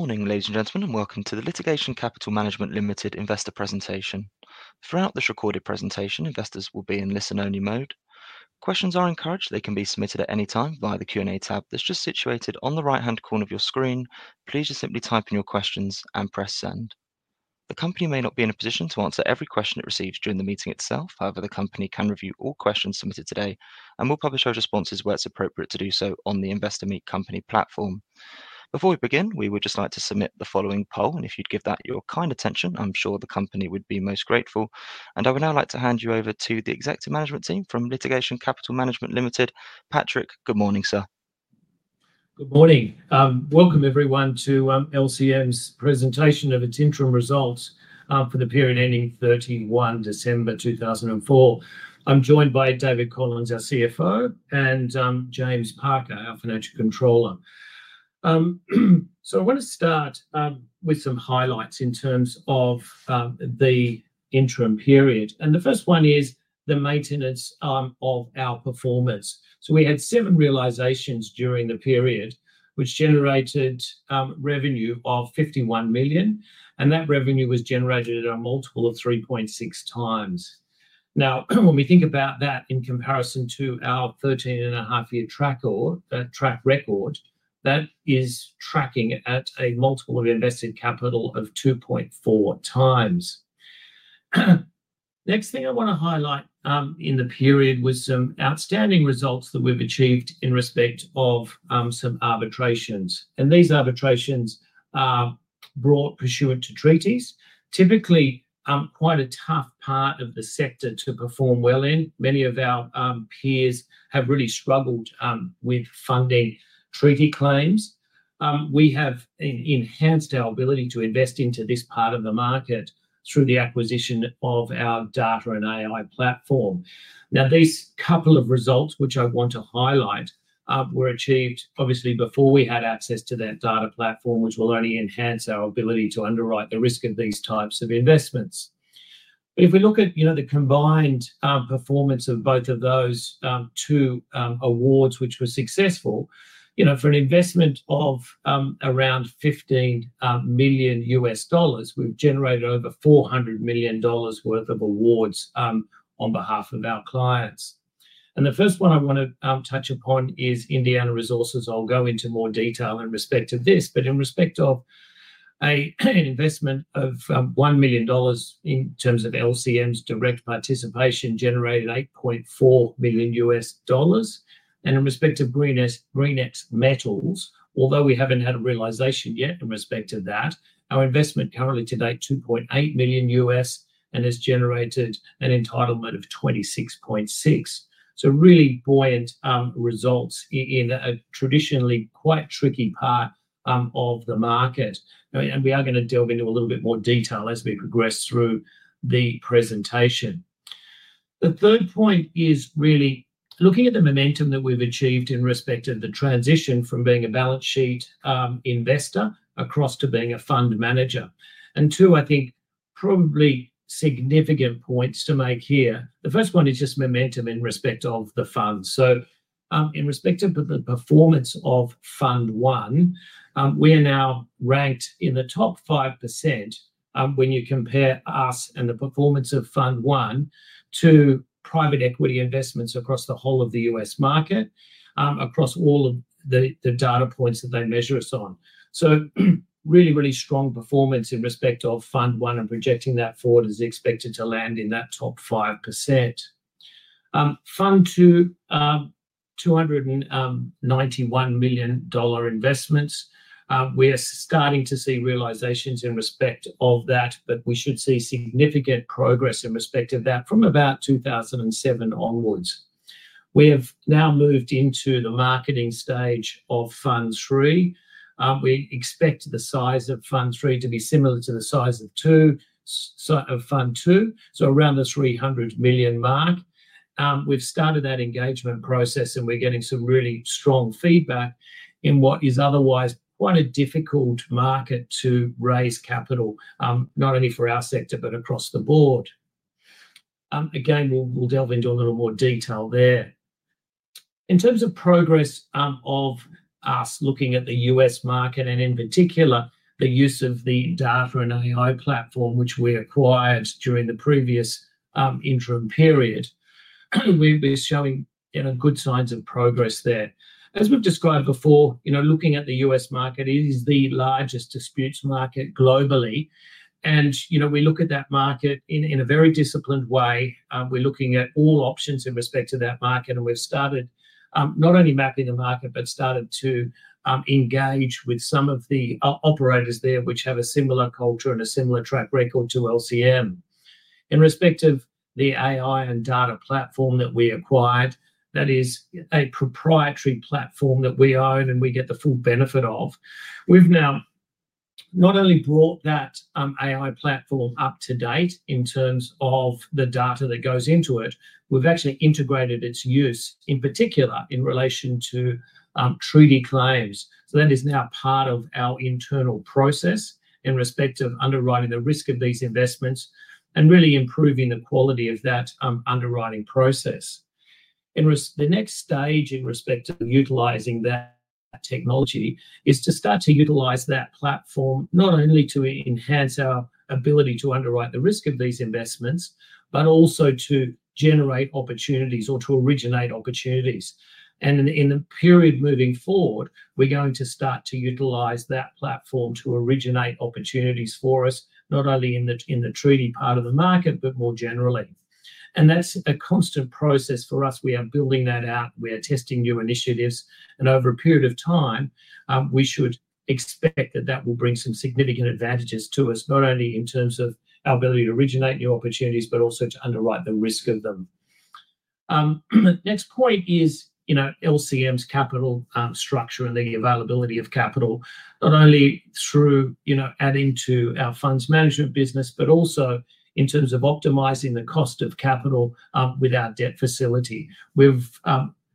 Morning, ladies and gentlemen, and welcome to the Litigation Capital Management Limited Investor Presentation. Throughout this recorded presentation, investors will be in listen-only mode. Questions are encouraged; they can be submitted at any time via the Q&A tab that's just situated on the right-hand corner of your screen. Please just simply type in your questions and press send. The company may not be in a position to answer every question it receives during the meeting itself. However, the company can review all questions submitted today and will publish our responses where it's appropriate to do so on the Investor Meet Company platform. Before we begin, we would just like to submit the following poll, and if you'd give that your kind attention, I'm sure the company would be most grateful. I would now like to hand you over to the Executive Management Team from Litigation Capital Management Limited. Patrick, good morning, sir. Good morning. Welcome, everyone, to LCM's presentation of its interim results for the period ending 31 December 2004. I'm joined by David Collins, our CFO, and James Parker, our Financial Controller. I want to start with some highlights in terms of the interim period. The first one is the maintenance of our performmance. We had seven realisations during the period, which generated revenue of 51 million, and that revenue was generated at a multiple of 3.6x. When we think about that in comparison to our 13 and a half year track record, that is tracking at a multiple of invested capital of 2.4x. The next thing I want to highlight in the period was some outstanding results that we've achieved in respect of some arbitrations. These arbitrations brought pursuant to treaties, typically quite a tough part of the sector to perform well in. Many of our peers have really struggled with funding treaty claims. We have enhanced our ability to invest into this part of the market through the acquisition of our data and AI platform. Now, these couple of results, which I want to highlight, were achieved obviously before we had access to that data platform, which will only enhance our ability to underwrite the risk of these types of investments. If we look at the combined performance of both of those two awards, which were successful, for an investment of around $15 million, we've generated over $400 million worth of awards on behalf of our clients. The first one I want to touch upon is Indiana Resources. I'll go into more detail in respect of this, but in respect of an investment of $1 million in terms of LCM's direct participation, generated $8.4 million. In respect of GreenX Metals, although we haven't had a realisation yet in respect of that, our investment currently today is $2.8 million and has generated an entitlement of $26.6 million. Really buoyant results in a traditionally quite tricky part of the market. We are going to delve into a little bit more detail as we progress through the presentation. The third point is really looking at the momentum that we've achieved in respect of the transition from being a balance sheet investor across to being a fund manager. Two, I think probably significant points to make here. The first one is just momentum in respect of the fund. In respect of the performance of Fund One, we are now ranked in the top 5% when you compare us and the performance of Fund One to private equity investments across the whole of the US market, across all of the data points that they measure us on. Really, really strong performance in respect of Fund One and projecting that forward is expected to land in that top 5%. Fund Two, $291 million investments. We are starting to see realisations in respect of that, but we should see significant progress in respect of that from about 2007 onwards. We have now moved into the marketing stage of Fund Three. We expect the size of Fund Three to be similar to the size of Fund Two, so around the 300 million mark. We've started that engagement process, and we're getting some really strong feedback in what is otherwise quite a difficult market to raise capital, not only for our sector, but across the board. Again, we'll delve into a little more detail there. In terms of progress of us looking at the US market and in particular the use of the data and AI platform, which we acquired during the previous interim period, we're showing good signs of progress there. As we've described before, looking at the US market, it is the largest disputes market globally. We look at that market in a very disciplined way. We're looking at all options in respect to that market, and we've started not only mapping the market, but started to engage with some of the operators there, which have a similar culture and a similar track record to LCM. In respect of the AI and Data Platform that we acquired, that is a proprietary platform that we own and we get the full benefit of. We've now not only brought that AI platform up to date in terms of the data that goes into it, we've actually integrated its use in particular in relation to treaty claims. That is now part of our internal process in respect of underwriting the risk of these investments and really improving the quality of that underwriting process. The next stage in respect of utilizing that technology is to start to utilize that platform not only to enhance our ability to underwrite the risk of these investments, but also to generate opportunities or to originate opportunities. In the period moving forward, we're going to start to utilise that platform to originate opportunities for us, not only in the treaty part of the market, but more generally. That is a constant process for us. We are building that out. We are testing new initiatives. Over a period of time, we should expect that that will bring some significant advantages to us, not only in terms of our ability to originate new opportunities, but also to underwrite the risk of them. The next point is LCM's capital structure and the availability of capital, not only through adding to our funds management business, but also in terms of optimising the cost of capital with our debt facility. We've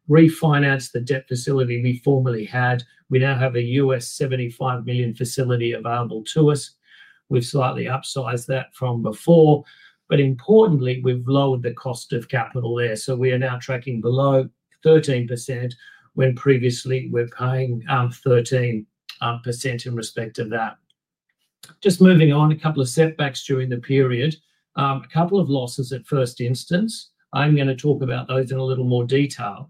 refinanced the debt facility we formerly had. We now have a $75 million facility available to us. We've slightly upsized that from before. Importantly, we've lowered the cost of capital there. We are now tracking below 13% when previously we were paying 13% in respect of that. Moving on, a couple of setbacks during the period, a couple of losses at first instance. I'm going to talk about those in a little more detail.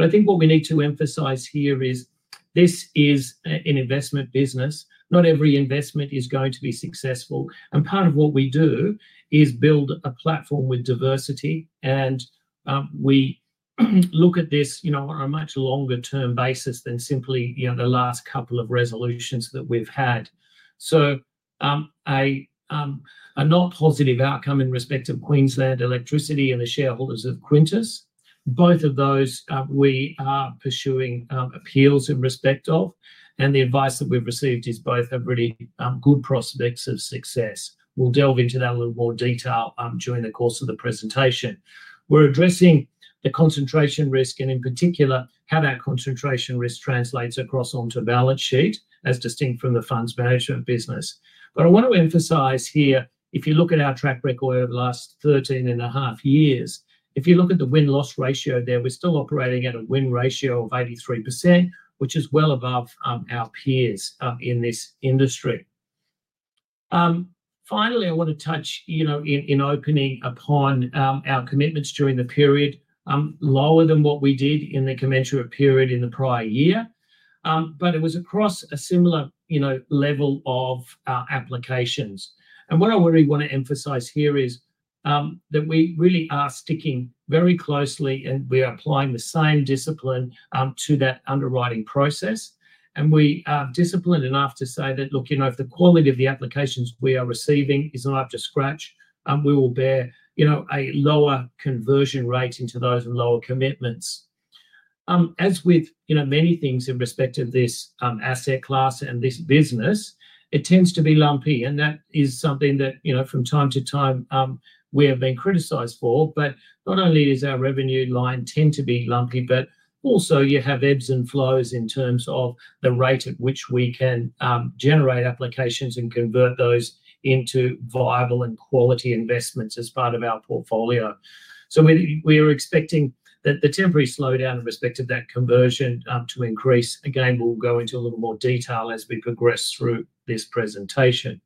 I think what we need to emphasize here is this is an investment business. Not every investment is going to be successful. Part of what we do is build a platform with diversity. We look at this on a much longer-term basis than simply the last couple of resolutions that we've had. A not positive outcome in respect of Queensland Electricity and the shareholders of Quintis. Both of those we are pursuing appeals in respect of. The advice that we've received is both have really good prospects of success. We'll delve into that in a little more detail during the course of the presentation. We're addressing the concentration risk and in particular how that concentration risk translates across onto balance sheet as distinct from the funds management business. I want to emphasize here, if you look at our track record over the last 13 and a half years, if you look at the win-loss ratio there, we're still operating at a win ratio of 83%, which is well above our peers in this industry. Finally, I want to touch in opening upon our commitments during the period, lower than what we did in the commensurate period in the prior year, but it was across a similar level of applications. What I really want to emphasize here is that we really are sticking very closely and we are applying the same discipline to that underwriting process. We are disciplined enough to say that, look, if the quality of the applications we are receiving is not up to scratch, we will bear a lower conversion rate into those and lower commitments. As with many things in respect of this asset class and this business, it tends to be lumpy. That is something that from time to time we have been criticized for. Not only does our revenue line tend to be lumpy, but also you have ebbs and flows in terms of the rate at which we can generate applications and convert those into viable and quality investments as part of our portfolio. We are expecting that the temporary slowdown in respect of that conversion to increase. Again, we will go into a little more detail as we progress through this presentation.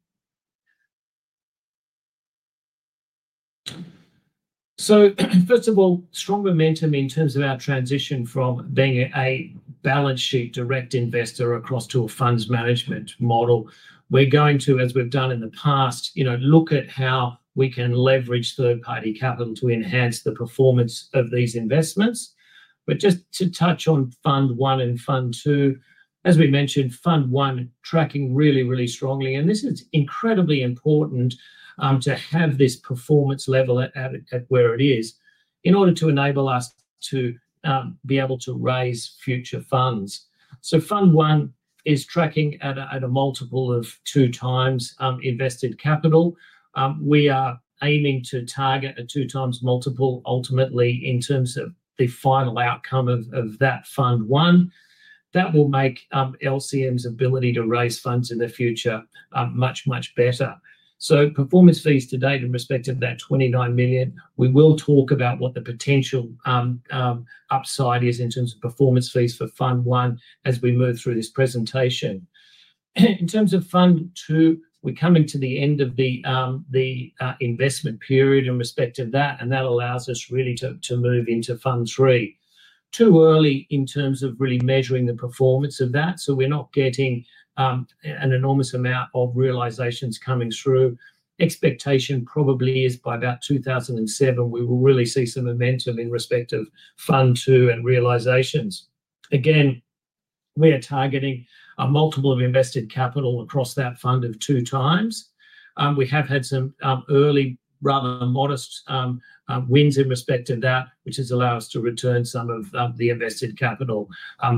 First of all, strong momentum in terms of our transition from being a balance sheet direct investor across to a funds management model. We are going to, as we have done in the past, look at how we can leverage third-party capital to enhance the performance of these investments. Just to touch on Fund One and Fund Two, as we mentioned, Fund One tracking really, really strongly. This is incredibly important to have this performance level at where it is in order to enable us to be able to raise future funds. Fund One is tracking at a multiple of two times invested capital. We are aiming to target a two-times multiple ultimately in terms of the final outcome of that Fund One. That will make LCM's ability to raise funds in the future much, much better. Performance fees today in respect of that $29 million, we will talk about what the potential upside is in terms of performance fees for Fund One as we move through this presentation. In terms of Fund Two, we're coming to the end of the investment period in respect of that, and that allows us really to move into Fund Three. Too early in terms of really measuring the performance of that. We're not getting an enormous amount of realisations coming through. Expectation probably is by about 2027, we will really see some momentum in respect of Fund Two and realisations. Again, we are targeting a multiple of invested capital across that fund of two times. We have had some early, rather modest wins in respect of that, which has allowed us to return some of the invested capital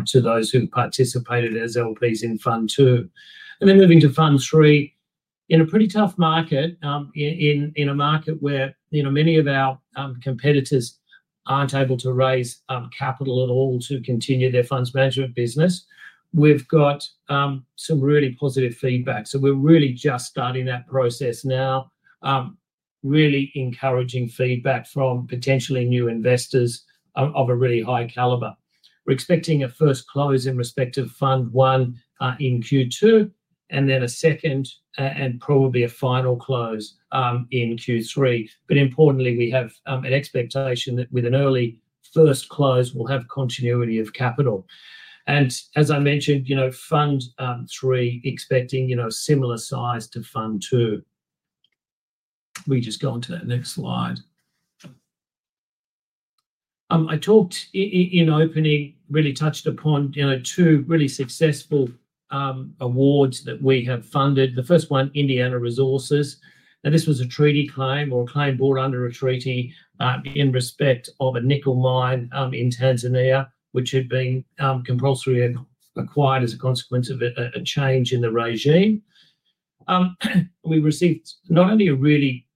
to those who participated as LPs in Fund Two. Moving to Fund Three, in a pretty tough market, in a market where many of our competitors are not able to raise capital at all to continue their funds management business, we have got some really positive feedback. We are really just starting that process now, really encouraging feedback from potentially new investors of a really high calibre. We are expecting a first close in respect of Fund Three in Q2, and then a second and probably a final close in Q3. Importantly, we have an expectation that with an early first close, we will have continuity of capital. As I mentioned, Fund Three is expecting a similar size to Fund Two. We can just go on to that next slide. I talked in opening, really touched upon two really successful awards that we have funded. The first one, Indiana Resources. Now, this was a treaty claim or a claim brought under a treaty in respect of a nickel mine in Tanzania, which had been compulsory acquired as a consequence of a change in the regime. We received not only a really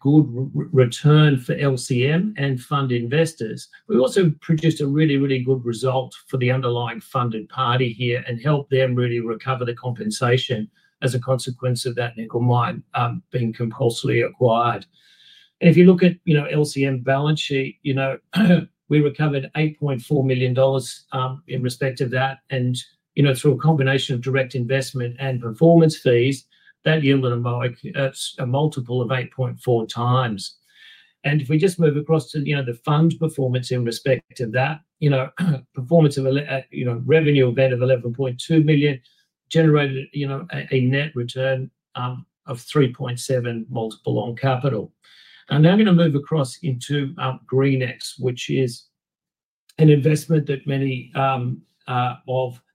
good return for LCM and fund investors, we also produced a really, really good result for the underlying funded party here and helped them really recover the compensation as a consequence of that nickel mine being compulsory acquired. If you look at LCM balance sheet, we recovered $8.4 million in respect of that. Through a combination of direct investment and performance fees, that yielded a multiple of 8.4x. If we just move across to the fund performance in respect of that, performance of revenue of that of $11.2 million generated a net return of 3.7 multiple on capital. Now I'm going to move across into GreenX, which is an investment that many of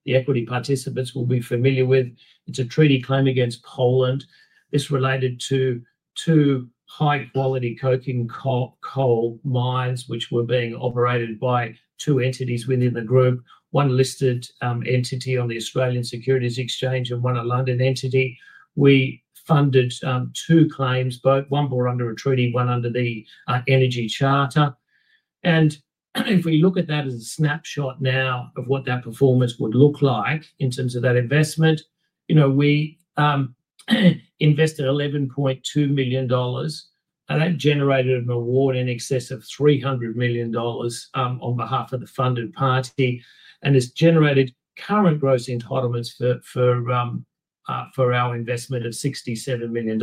the equity participants will be familiar with. It's a treaty claim against Poland. It's related to two high-quality coking coal mines, which were being operated by two entities within the group, one listed entity on the Australian Securities Exchange and one a London entity. We funded two claims, both one brought under a treaty, one under the Energy Charter. If we look at that as a snapshot now of what that performance would look like in terms of that investment, we invested $11.2 million, and that generated an award in excess of $300 million on behalf of the funded party. It's generated current gross entitlements for our investment of $67 million.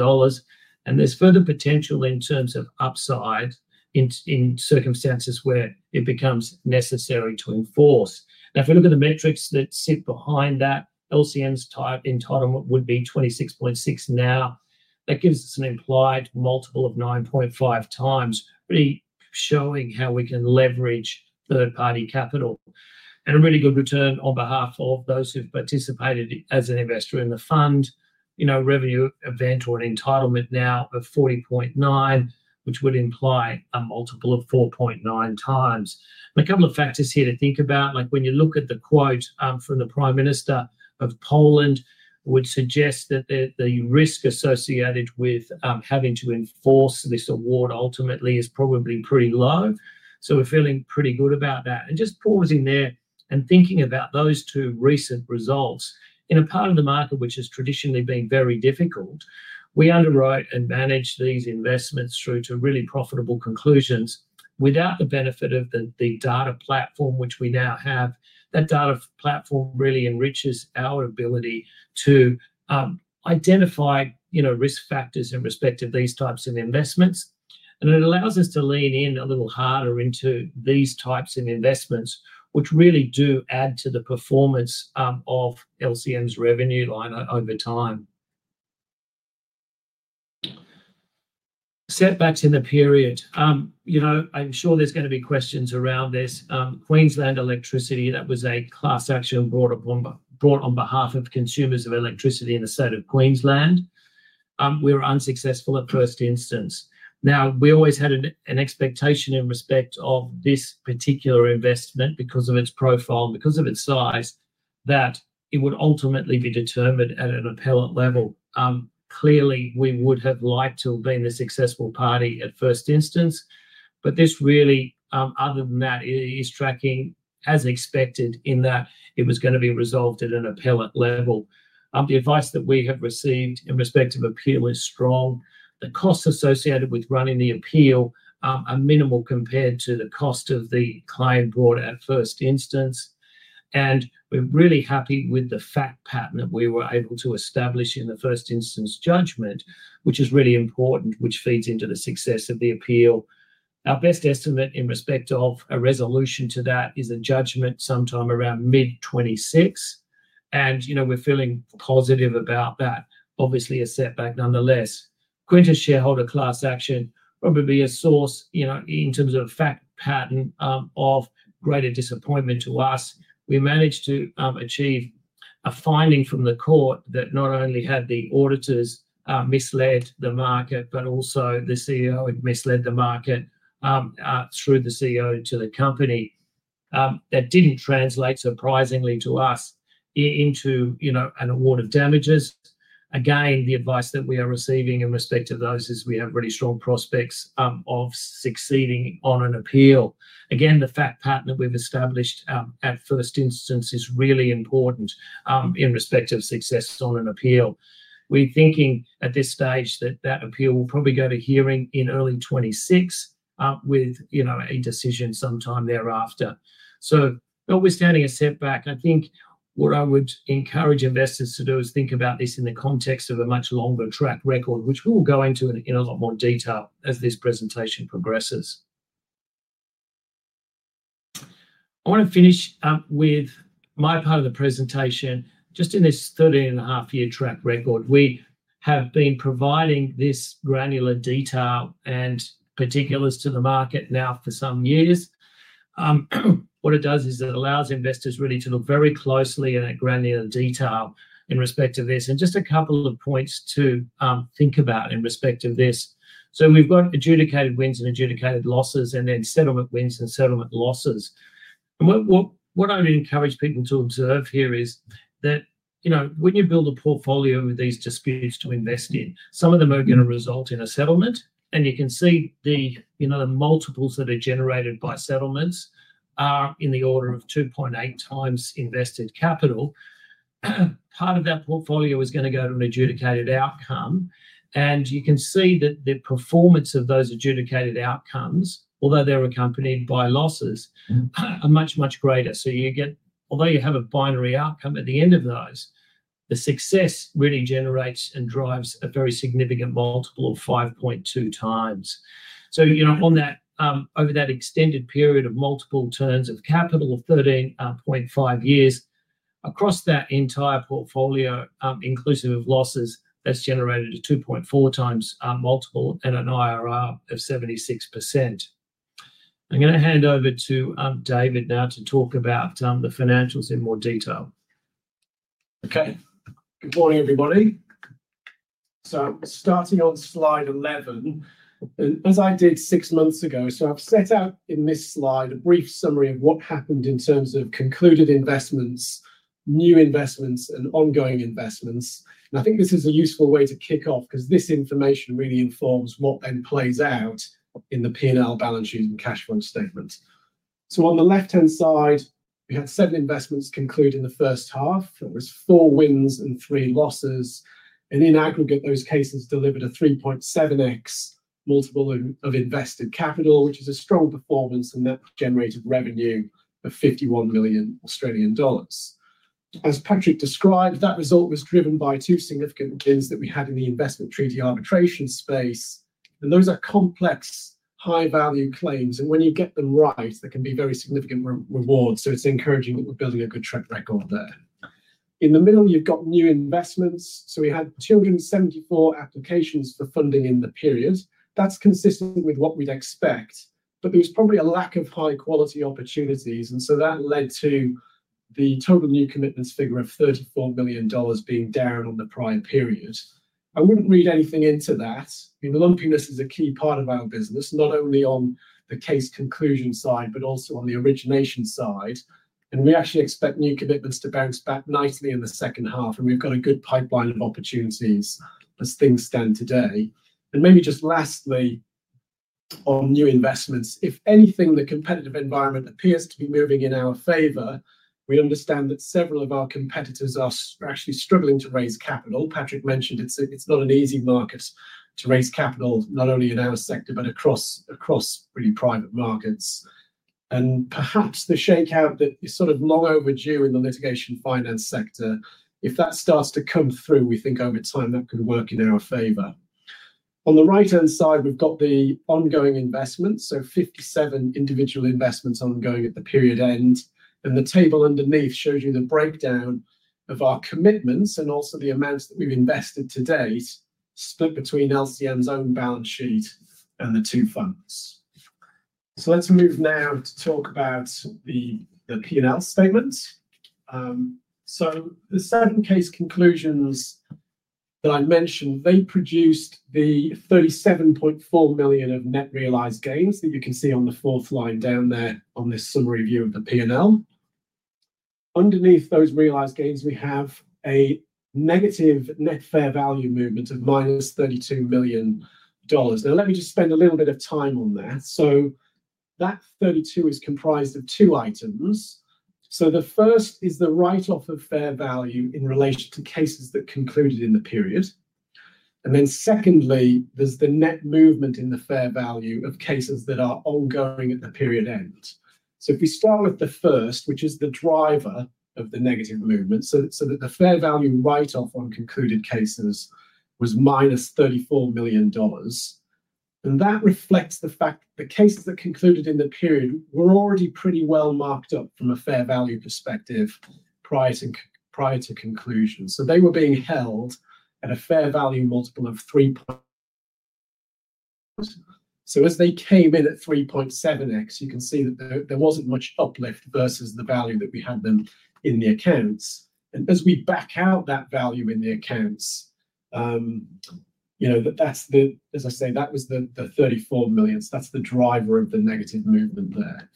There's further potential in terms of upside in circumstances where it becomes necessary to enforce. Now, if we look at the metrics that sit behind that, LCM's entitlement would be 26.6 now. That gives us an implied multiple of 9.5x, really showing how we can leverage third-party capital. A really good return on behalf of those who've participated as an investor in the fund. Revenue event or an entitlement now of 40.9, which would imply a multiple of 4.9x. A couple of factors here to think about. When you look at the quote from the Prime Minister of Poland, it would suggest that the risk associated with having to enforce this award ultimately is probably pretty low. We are feeling pretty good about that. Just pausing there and thinking about those two recent results, in a part of the market which has traditionally been very difficult, we underwrote and managed these investments through to really profitable conclusions without the benefit of the data platform, which we now have. That data platform really enriches our ability to identify risk factors in respect of these types of investments. It allows us to lean in a little harder into these types of investments, which really do add to the performance of LCM's revenue line over time. Setbacks in the period. I'm sure there's going to be questions around this. Queensland Electricity, that was a class action brought on behalf of consumers of electricity in the state of Queensland. We were unsuccessful at first instance. Now, we always had an expectation in respect of this particular investment because of its profile and because of its size, that it would ultimately be determined at an appellate level. Clearly, we would have liked to have been the successful party at first instance. Other than that, this is tracking as expected in that it was going to be resolved at an appellate level. The advice that we have received in respect of appeal is strong. The costs associated with running the appeal are minimal compared to the cost of the claim brought at first instance. We are really happy with the fact pattern that we were able to establish in the first instance judgment, which is really important, which feeds into the success of the appeal. Our best estimate in respect of a resolution to that is a judgment sometime around mid-2026. We're feeling positive about that. Obviously, a setback nonetheless. Quintis shareholder class action, probably a source in terms of fact pattern of greater disappointment to us. We managed to achieve a finding from the court that not only had the auditors misled the market, but also the CEO had misled the market through the CEO to the company. That did not translate, surprisingly to us, into an award of damages. Again, the advice that we are receiving in respect of those is we have really strong prospects of succeeding on an appeal. Again, the fact pattern that we've established at first instance is really important in respect of success on an appeal. We're thinking at this stage that that appeal will probably go to hearing in early 2026 with a decision sometime thereafter. We're standing a setback. I think what I would encourage investors to do is think about this in the context of a much longer track record, which we'll go into in a lot more detail as this presentation progresses. I want to finish with my part of the presentation. Just in this 13 and a half year track record, we have been providing this granular detail and particulars to the market now for some years. What it does is it allows investors really to look very closely at a granular detail in respect of this. Just a couple of points to think about in respect of this. We have adjudicated wins and adjudicated losses, and then settlement wins and settlement losses. What I'd encourage people to observe here is that when you build a portfolio with these disputes to invest in, some of them are going to result in a settlement. You can see the multiples that are generated by settlements are in the order of 2.8x invested capital. Part of that portfolio is going to go to an adjudicated outcome. You can see that the performance of those adjudicated outcomes, although they're accompanied by losses, are much, much greater. Although you have a binary outcome at the end of those, the success really generates and drives a very significant multiple of 5.2x. Over that extended period of multiple turns of capital of 13.5 years, across that entire portfolio, inclusive of losses, that's generated a 2.4x multiple at an IRR of 76%. I'm going to hand over to David now to talk about the financials in more detail. Good morning, everybody. I'm starting on slide 11, as I did six months ago. I've set out in this slide a brief summary of what happened in terms of concluded investments, new investments, and ongoing investments. I think this is a useful way to kick off because this information really informs what then plays out in the P&L balance sheet and cash flow statement. On the left-hand side, we had seven investments conclude in the first half. There was four wins and three losses. In aggregate, those cases delivered a 3.7x multiple of invested capital, which is a strong performance and that generated revenue of $51 million. As Patrick described, that result was driven by two significant wins that we had in the investment treaty arbitration space. Those are complex, high-value claims. When you get them right, there can be very significant rewards. It's encouraging that we're building a good track record there. In the middle, you've got new investments. We had 274 applications for funding in the period. That is consistent with what we'd expect. There was probably a lack of high-quality opportunities, and that led to the total new commitments figure of $34 million being down on the prior period. I would not read anything into that. Lumpiness is a key part of our business, not only on the case conclusion side, but also on the origination side. We actually expect new commitments to bounce back nicely in the second half. We have a good pipeline of opportunities as things stand today. Maybe just lastly, on new investments, if anything, the competitive environment appears to be moving in our favor. We understand that several of our competitors are actually struggling to raise capital. Patrick mentioned it's not an easy market to raise capital, not only in our sector, but across really private markets. Perhaps the shakeout that is sort of long overdue in the litigation finance sector, if that starts to come through, we think over time that could work in our favor. On the right-hand side, we've got the ongoing investments. 57 individual investments ongoing at the period end. The table underneath shows you the breakdown of our commitments and also the amounts that we've invested to date, split between LCM's own balance sheet and the two funds. Let's move now to talk about the P&L statements. The seven case conclusions that I mentioned, they produced the $37.4 million of net realized gains that you can see on the fourth line down there on this summary view of the P&L. Underneath those realised gains, we have a negative net fair value movement of $32 million. Now, let me just spend a little bit of time on that. That 32 is comprised of two items. The first is the write-off of fair value in relation to cases that concluded in the period. Secondly, there's the net movement in the fair value of cases that are ongoing at the period end. If we start with the first, which is the driver of the negative movement, the fair value write-off on concluded cases was $34 million. That reflects the fact that the cases that concluded in the period were already pretty well marked up from a fair value perspective prior to conclusion. They were being held at a fair value multiple of 3. As they came in at 3.7x, you can see that there was not much uplift versus the value that we had them in the accounts. As we back out that value in the accounts, as I say, that was the 34 million. That is the driver of the negative movement there.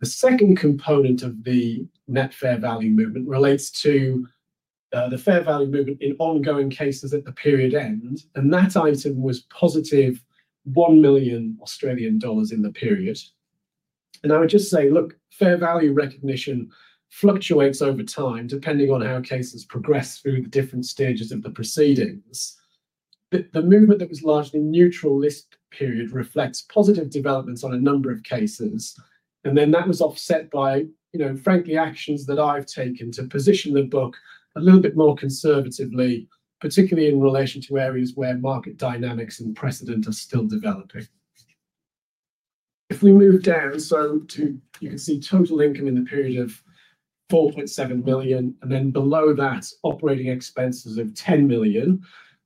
The second component of the net fair value movement relates to the fair value movement in ongoing cases at the period end. That item was positive $1 million in the period. I would just say, look, fair value recognition fluctuates over time depending on how cases progress through the different stages of the proceedings. The movement that was largely neutral this period reflects positive developments on a number of cases. That was offset by, frankly, actions that I've taken to position the book a little bit more conservatively, particularly in relation to areas where market dynamics and precedent are still developing. If we move down, you can see total income in the period of 4.7 million. Below that, operating expenses of 10 million.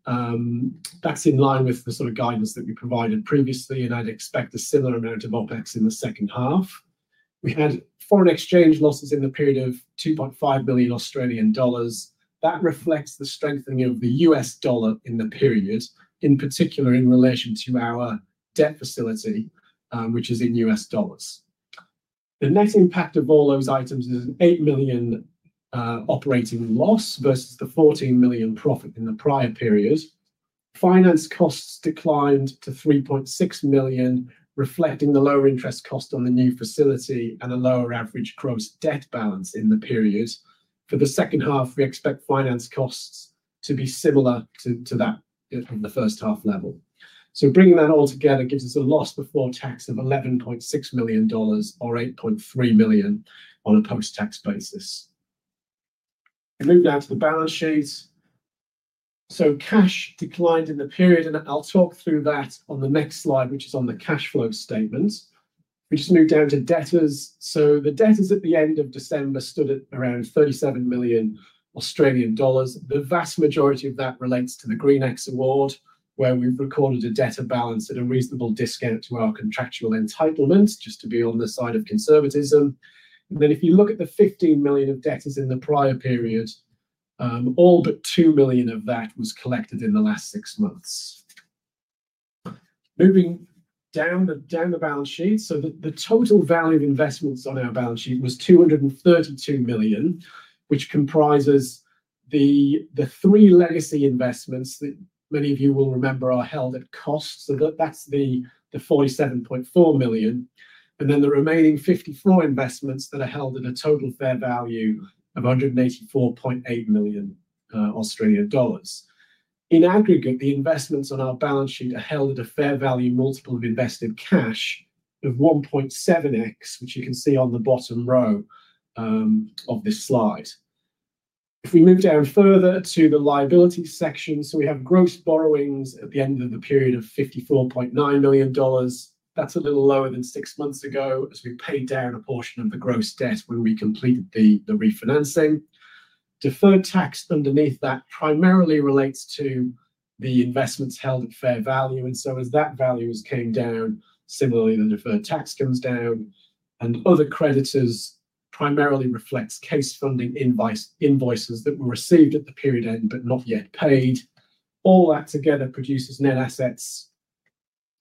That is in line with the sort of guidance that we provided previously. I would expect a similar amount of OpEx in the second half. We had foreign exchange losses in the period of 2.5 million Australian dollars. That reflects the strengthening of the US dollar in the period, in particular in relation to our debt facility, which is in US dollars. The net impact of all those items is an 8 million operating loss versus the 14 million profit in the prior period. Finance costs declined to $3.6 million, reflecting the lower interest cost on the new facility and a lower average gross debt balance in the period. For the second half, we expect finance costs to be similar to that of the first half level. Bringing that all together gives us a loss before tax of $11.6 million or $8.3 million on a post-tax basis. We move now to the balance sheet. Cash declined in the period. I'll talk through that on the next slide, which is on the cash flow statement. We just moved down to debtors. The debtors at the end of December stood at around 37 million Australian dollars. The vast majority of that relates to the GreenX award, where we've recorded a debtor balance at a reasonable discount to our contractual entitlements, just to be on the side of conservatism. If you look at the $15 million of debtors in the prior period, all but $2 million of that was collected in the last six months. Moving down the balance sheet. The total value of investments on our balance sheet was 232 million, which comprises the three legacy investments that many of you will remember are held at cost. That is the 47.4 million. The remaining 54 investments are held at a total fair value of 184.8 million Australian dollars. In aggregate, the investments on our balance sheet are held at a fair value multiple of invested cash of 1.7x, which you can see on the bottom row of this slide. If we move down further to the liability section, we have gross borrowings at the end of the period of $54.9 million. That's a little lower than six months ago as we paid down a portion of the gross debt when we completed the refinancing. Deferred tax underneath that primarily relates to the investments held at fair value. As that value has come down, similarly, the deferred tax comes down. Other creditors primarily reflects case funding invoices that were received at the period end but not yet paid. All that together produces net assets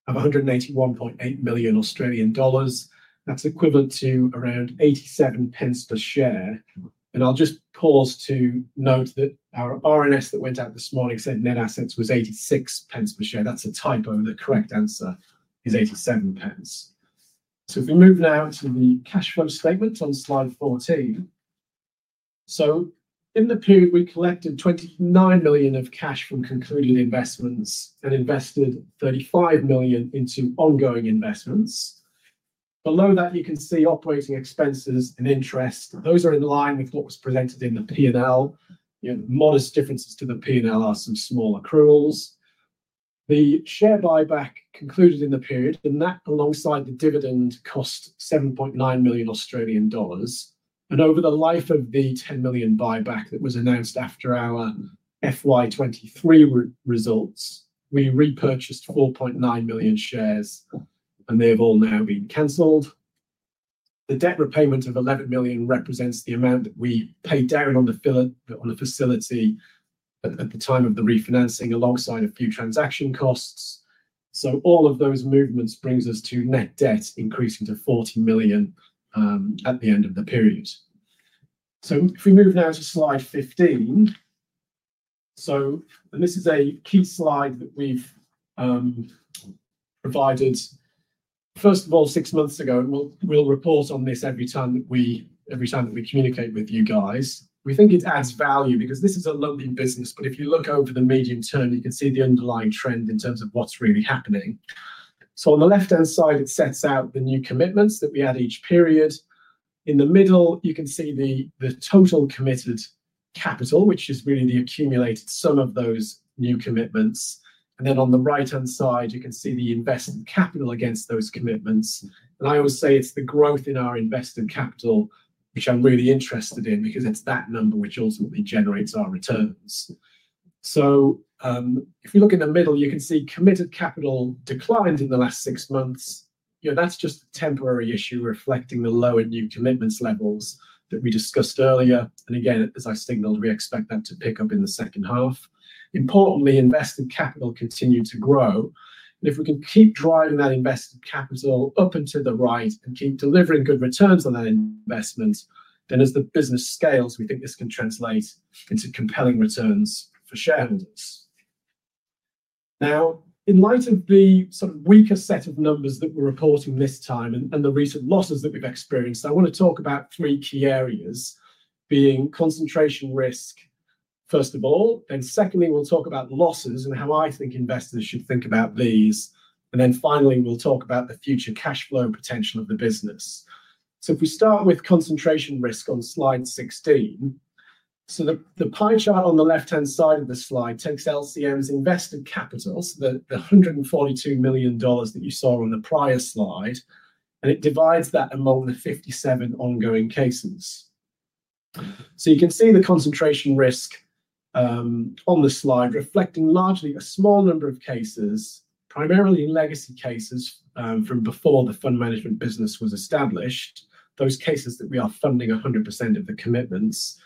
of 181.8 million Australian dollars. That is equivalent to around 0.87 per share. I'll just pause to note that our RNS that went out this morning said net assets was 0.86 per share. That is a typo. The correct answer is 0.87. If we move now to the cash flow statement on slide 14. In the period, we collected 29 million of cash from concluded investments and invested 35 million into ongoing investments. Below that, you can see operating expenses and interest. Those are in line with what was presented in the P&L. Modest differences to the P&L are some small accruals. The share buyback concluded in the period, and that alongside the dividend cost 7.9 million Australian dollars. Over the life of the 10 million buyback that was announced after our FY2023 results, we repurchased 4.9 million shares, and they have all now been cancelled. The debt repayment of 11 million represents the amount that we paid down on the facility at the time of the refinancing alongside a few transaction costs. All of those movements brings us to net debt increasing to 40 million at the end of the period. If we move now to slide 15. This is a key slide that we've provided. First of all, six months ago, we'll report on this every time that we communicate with you guys. We think it adds value because this is a lumpy business. If you look over the medium term, you can see the underlying trend in terms of what's really happening. On the left-hand side, it sets out the new commitments that we add each period. In the middle, you can see the total committed capital, which is really the accumulated sum of those new commitments. On the right-hand side, you can see the invested capital against those commitments. I always say it's the growth in our invested capital, which I'm really interested in because it's that number which ultimately generates our returns. If we look in the middle, you can see committed capital declined in the last six months. That is just a temporary issue reflecting the lower new commitments levels that we discussed earlier. As I signaled, we expect that to pick up in the second half. Importantly, invested capital continued to grow. If we can keep driving that invested capital up into the right and keep delivering good returns on that investment, then as the business scales, we think this can translate into compelling returns for shareholders. Now, in light of the sort of weaker set of numbers that we are reporting this time and the recent losses that we have experienced, I want to talk about three key areas being concentration risk, first of all. Secondly, we will talk about losses and how I think investors should think about these. Finally, we'll talk about the future cash flow potential of the business. If we start with concentration risk on slide 16, the pie chart on the left-hand side of the slide takes LCM's invested capital, the $142 million that you saw on the prior slide, and divides that among the 57 ongoing cases. You can see the concentration risk on the slide reflecting largely a small number of cases, primarily legacy cases from before the fund management business was established, those cases that we are funding 100% of the commitments.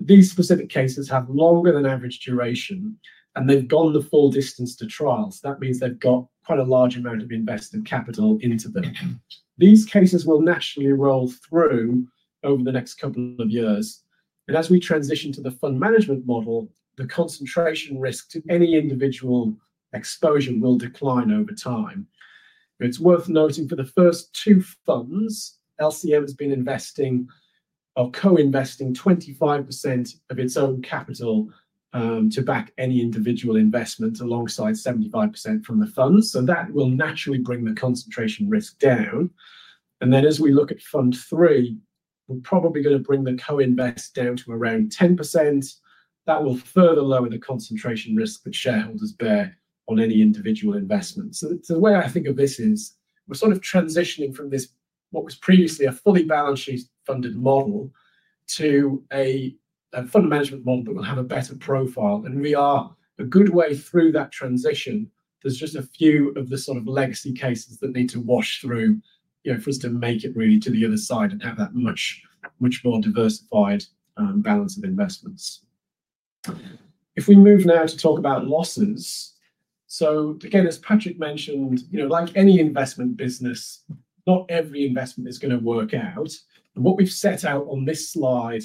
These specific cases have longer than average duration, and they've gone the full distance to trials. That means they've got quite a large amount of invested capital into them. These cases will naturally roll through over the next couple of years. As we transition to the fund management model, the concentration risk to any individual exposure will decline over time. It's worth noting for the first two funds, LCM has been investing or co-investing 25% of its own capital to back any individual investment alongside 75% from the funds. That will naturally bring the concentration risk down. As we look at fund three, we're probably going to bring the co-invest down to around 10%. That will further lower the concentration risk that shareholders bear on any individual investment. The way I think of this is we're sort of transitioning from this, what was previously a fully balance sheet funded model to a fund management model that will have a better profile. We are a good way through that transition. There's just a few of the sort of legacy cases that need to wash through for us to make it really to the other side and have that much more diversified balance of investments. If we move now to talk about losses. As Patrick mentioned, like any investment business, not every investment is going to work out. What we've set out on this slide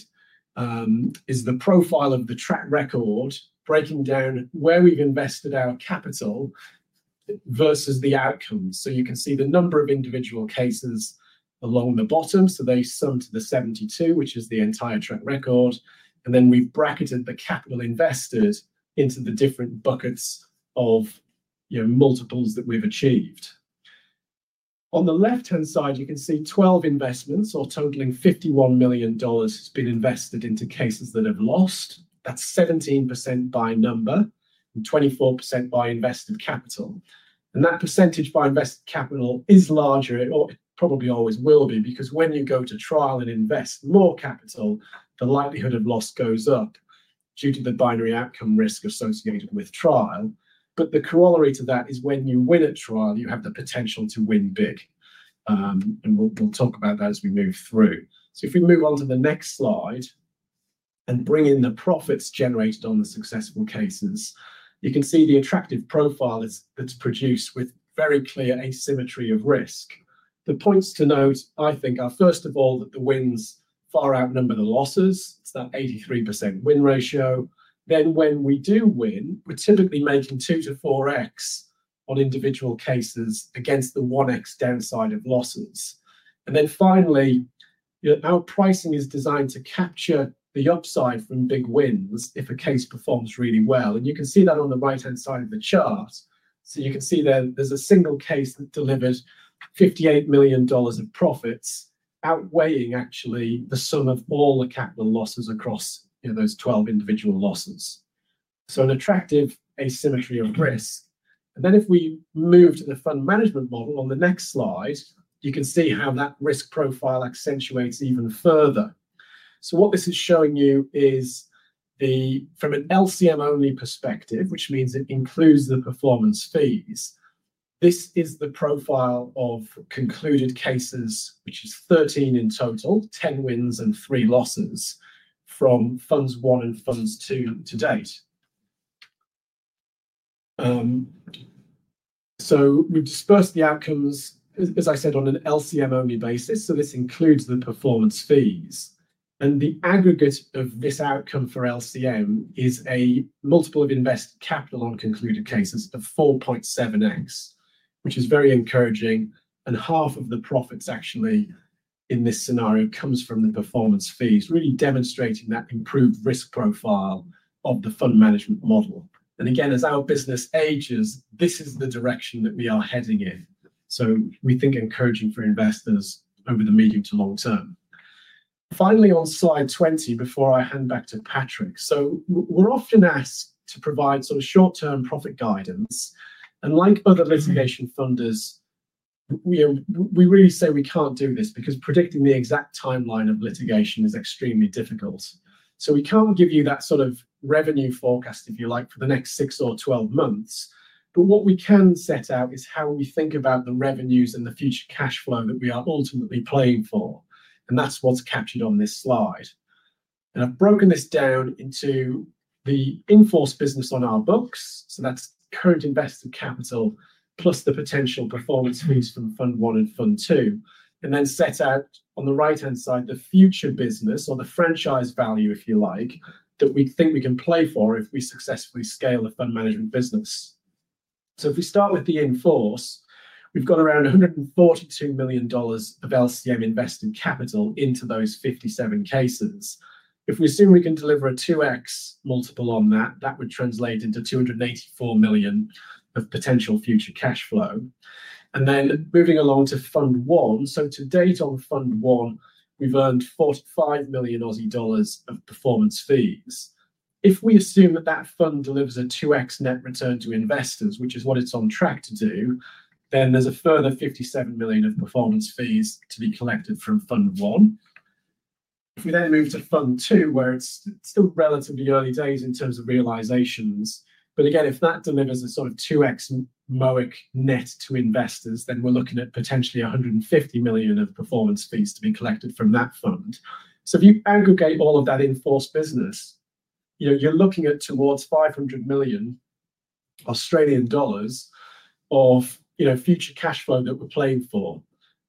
is the profile of the track record, breaking down where we've invested our capital versus the outcomes. You can see the number of individual cases along the bottom. They sum to the 72, which is the entire track record. We've bracketed the capital invested into the different buckets of multiples that we've achieved. On the left-hand side, you can see 12 investments, or totaling $51 million, has been invested into cases that have lost. That's 17% by number and 24% by invested capital. That percentage by invested capital is larger or probably always will be because when you go to trial and invest more capital, the likelihood of loss goes up due to the binary outcome risk associated with trial. The corollary to that is when you win at trial, you have the potential to win big. We will talk about that as we move through. If we move on to the next slide and bring in the profits generated on the successful cases, you can see the attractive profile that is produced with very clear asymmetry of risk. The points to note, I think, are first of all that the wins far outnumber the losses. It is that 83% win ratio. When we do win, we are typically making 2-4x on individual cases against the 1x downside of losses. Finally, our pricing is designed to capture the upside from big wins if a case performs really well. You can see that on the right-hand side of the chart. You can see there is a single case that delivered $58 million of profits outweighing actually the sum of all the capital losses across those 12 individual losses. An attractive asymmetry of risk. If we move to the fund management model on the next slide, you can see how that risk profile accentuates even further. What this is showing you is from an LCM-only perspective, which means it includes the performance fees. This is the profile of concluded cases, which is 13 in total, 10 wins and 3 losses from Fund One and Fund Two to date. We have dispersed the outcomes, as I said, on an LCM-only basis. This includes the performance fees. The aggregate of this outcome for LCM is a multiple of invested capital on concluded cases of 4.7x, which is very encouraging. Half of the profits actually in this scenario comes from the performance fees, really demonstrating that improved risk profile of the fund management model. As our business ages, this is the direction that we are heading in. We think encouraging for investors over the medium to long term. Finally, on slide 20, before I hand back to Patrick. We're often asked to provide sort of short-term profit guidance. Like other litigation funders, we really say we can't do this because predicting the exact timeline of litigation is extremely difficult. We can't give you that sort of revenue forecast, if you like, for the next 6 or 12 months. What we can set out is how we think about the revenues and the future cash flow that we are ultimately playing for. That's what's captured on this slide. I've broken this down into the enforce business on our books. That's current invested capital plus the potential performance fees from Fund One and Fund Two. I set out on the right-hand side the future business or the franchise value, if you like, that we think we can play for if we successfully scale the fund management business. If we start with the enforce, we've got around $142 million of LCM invested capital into those 57 cases. If we assume we can deliver a 2x multiple on that, that would translate into $284 million of potential future cash flow. Moving along to Fund One. To date on Fund One, we've earned $45 million of performance fees. If we assume that that fund delivers a 2x net return to investors, which is what it's on track to do, then there's a further $57 million of performance fees to be collected from Fund One. If we then move to Fund Two, where it's still relatively early days in terms of realizations, but again, if that delivers a sort of 2x MOIC net to investors, then we're looking at potentially $150 million of performance fees to be collected from that fund. If you aggregate all of that enforced business, you're looking at towards 500 million Australian dollars of future cash flow that we're playing for.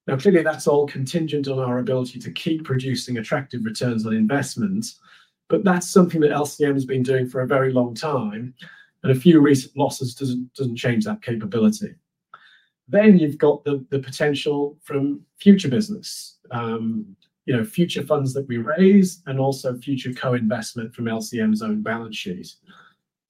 Now, clearly, that's all contingent on our ability to keep producing attractive returns on investments, but that's something that LCM has been doing for a very long time. A few recent losses does not change that capability. You have the potential from future business, future funds that we raise, and also future co-investment from LCM's own balance sheet.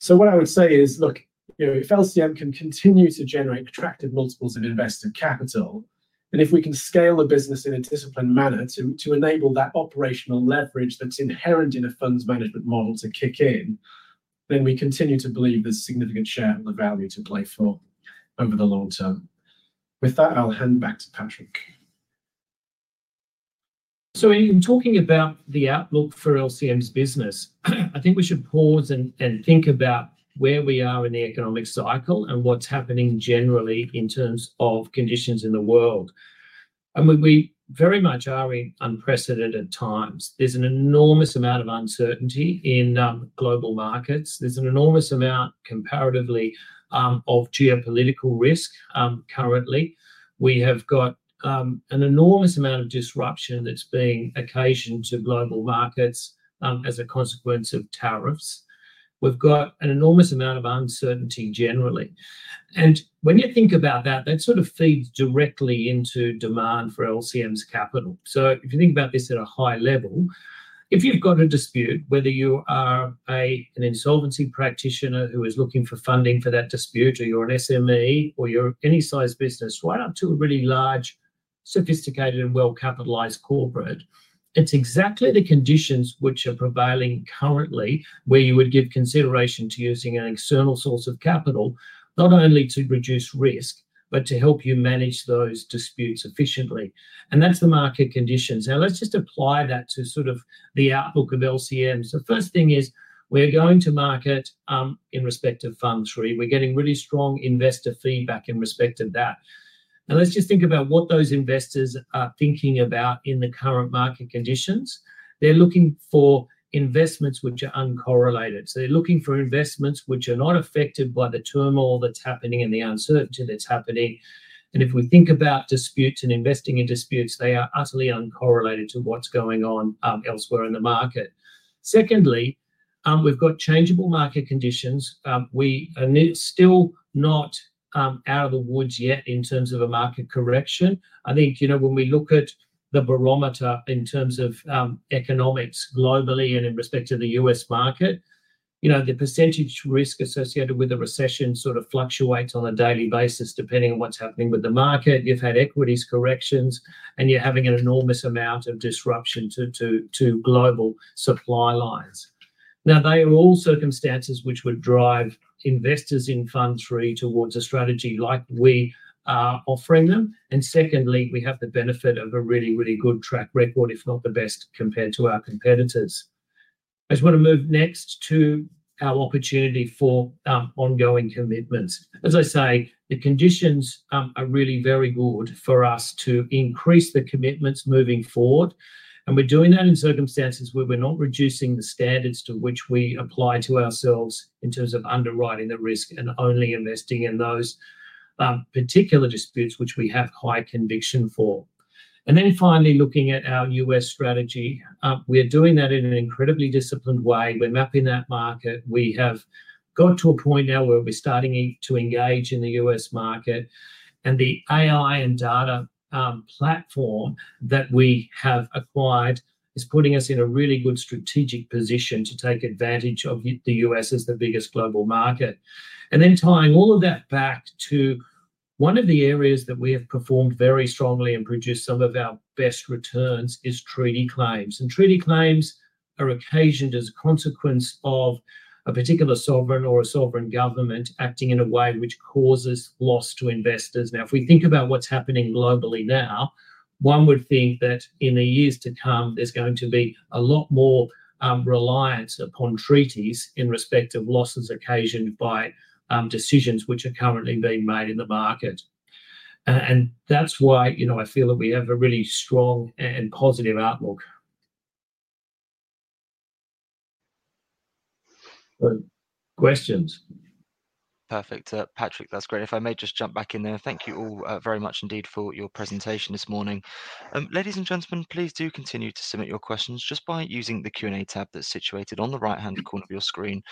What I would say is, look, if LCM can continue to generate attractive multiples of invested capital, and if we can scale the business in a disciplined manner to enable that operational leverage that is inherent in a funds management model to kick in, we continue to believe there is a significant share of the value to play for over the long term. With that, I will hand back to Patrick. In talking about the outlook for LCM's business, I think we should pause and think about where we are in the economic cycle and what is happening generally in terms of conditions in the world. We very much are in unprecedented times. There's an enormous amount of uncertainty in global markets. There's an enormous amount comparatively of geopolitical risk currently. We have got an enormous amount of disruption that's being occasioned to global markets as a consequence of tariffs. We've got an enormous amount of uncertainty generally. When you think about that, that sort of feeds directly into demand for LCM's capital. If you think about this at a high level, if you've got a dispute, whether you are an insolvency practitioner who is looking for funding for that dispute, or you're an SME, or you're any size business, right up to a really large, sophisticated, and well-capitalized corporate, it's exactly the conditions which are prevailing currently where you would give consideration to using an external source of capital, not only to reduce risk, but to help you manage those disputes efficiently. That's the market conditions. Now, let's just apply that to sort of the outlook of LCM. The first thing is we're going to market in respect of Fund Three. We're getting really strong investor feedback in respect of that. Let's just think about what those investors are thinking about in the current market conditions. They're looking for investments which are uncorrelated. They're looking for investments which are not affected by the turmoil that's happening and the uncertainty that's happening. If we think about disputes and investing in disputes, they are utterly uncorrelated to what's going on elsewhere in the market. Secondly, we've got changeable market conditions. We are still not out of the woods yet in terms of a market correction. I think when we look at the barometer in terms of economics globally and in respect to the U.S. market, the % risk associated with the recession sort of fluctuates on a daily basis depending on what's happening with the market. You've had equities corrections, and you're having an enormous amount of disruption to global supply lines. They are all circumstances which would drive investors in Fund Three towards a strategy like we are offering them. Secondly, we have the benefit of a really, really good track record, if not the best, compared to our competitors. I just want to move next to our opportunity for ongoing commitments. As I say, the conditions are really very good for us to increase the commitments moving forward. We are doing that in circumstances where we are not reducing the standards to which we apply to ourselves in terms of underwriting the risk and only investing in those particular disputes which we have high conviction for. Finally, looking at our US strategy, we are doing that in an incredibly disciplined way. We are mapping that market. We have got to a point now where we are starting to engage in the US market. The AI and Data Platform that we have acquired is putting us in a really good strategic position to take advantage of the US as the biggest global market. Tying all of that back to one of the areas that we have performed very strongly and produced some of our best returns is treaty claims. Treaty claims are occasioned as a consequence of a particular sovereign or a sovereign government acting in a way which causes loss to investors. Now, if we think about what is happening globally now, one would think that in the years to come, there is going to be a lot more reliance upon treaties in respect of losses occasioned by decisions which are currently being made in the market. That is why I feel that we have a really strong and positive outlook. Questions? Perfect. Patrick, that is great. If I may just jump back in there, thank you all very much indeed for your presentation this morning. Ladies and gentlemen, please do continue to submit your questions just by using the Q&A tab that is situated on the right-hand corner of your screen.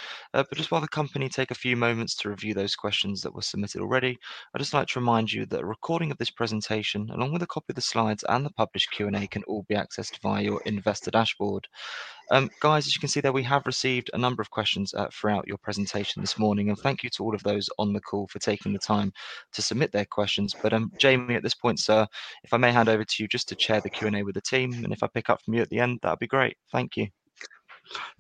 Just while the company takes a few moments to review those questions that were submitted already, I'd just like to remind you that a recording of this presentation, along with a copy of the slides and the published Q&A, can all be accessed via your investor dashboard. Guys, as you can see there, we have received a number of questions throughout your presentation this morning. Thank you to all of those on the call for taking the time to submit their questions. Jamie, at this point, sir, if I may hand over to you just to chair the Q&A with the team. If I pick up from you at the end, that would be great. Thank you.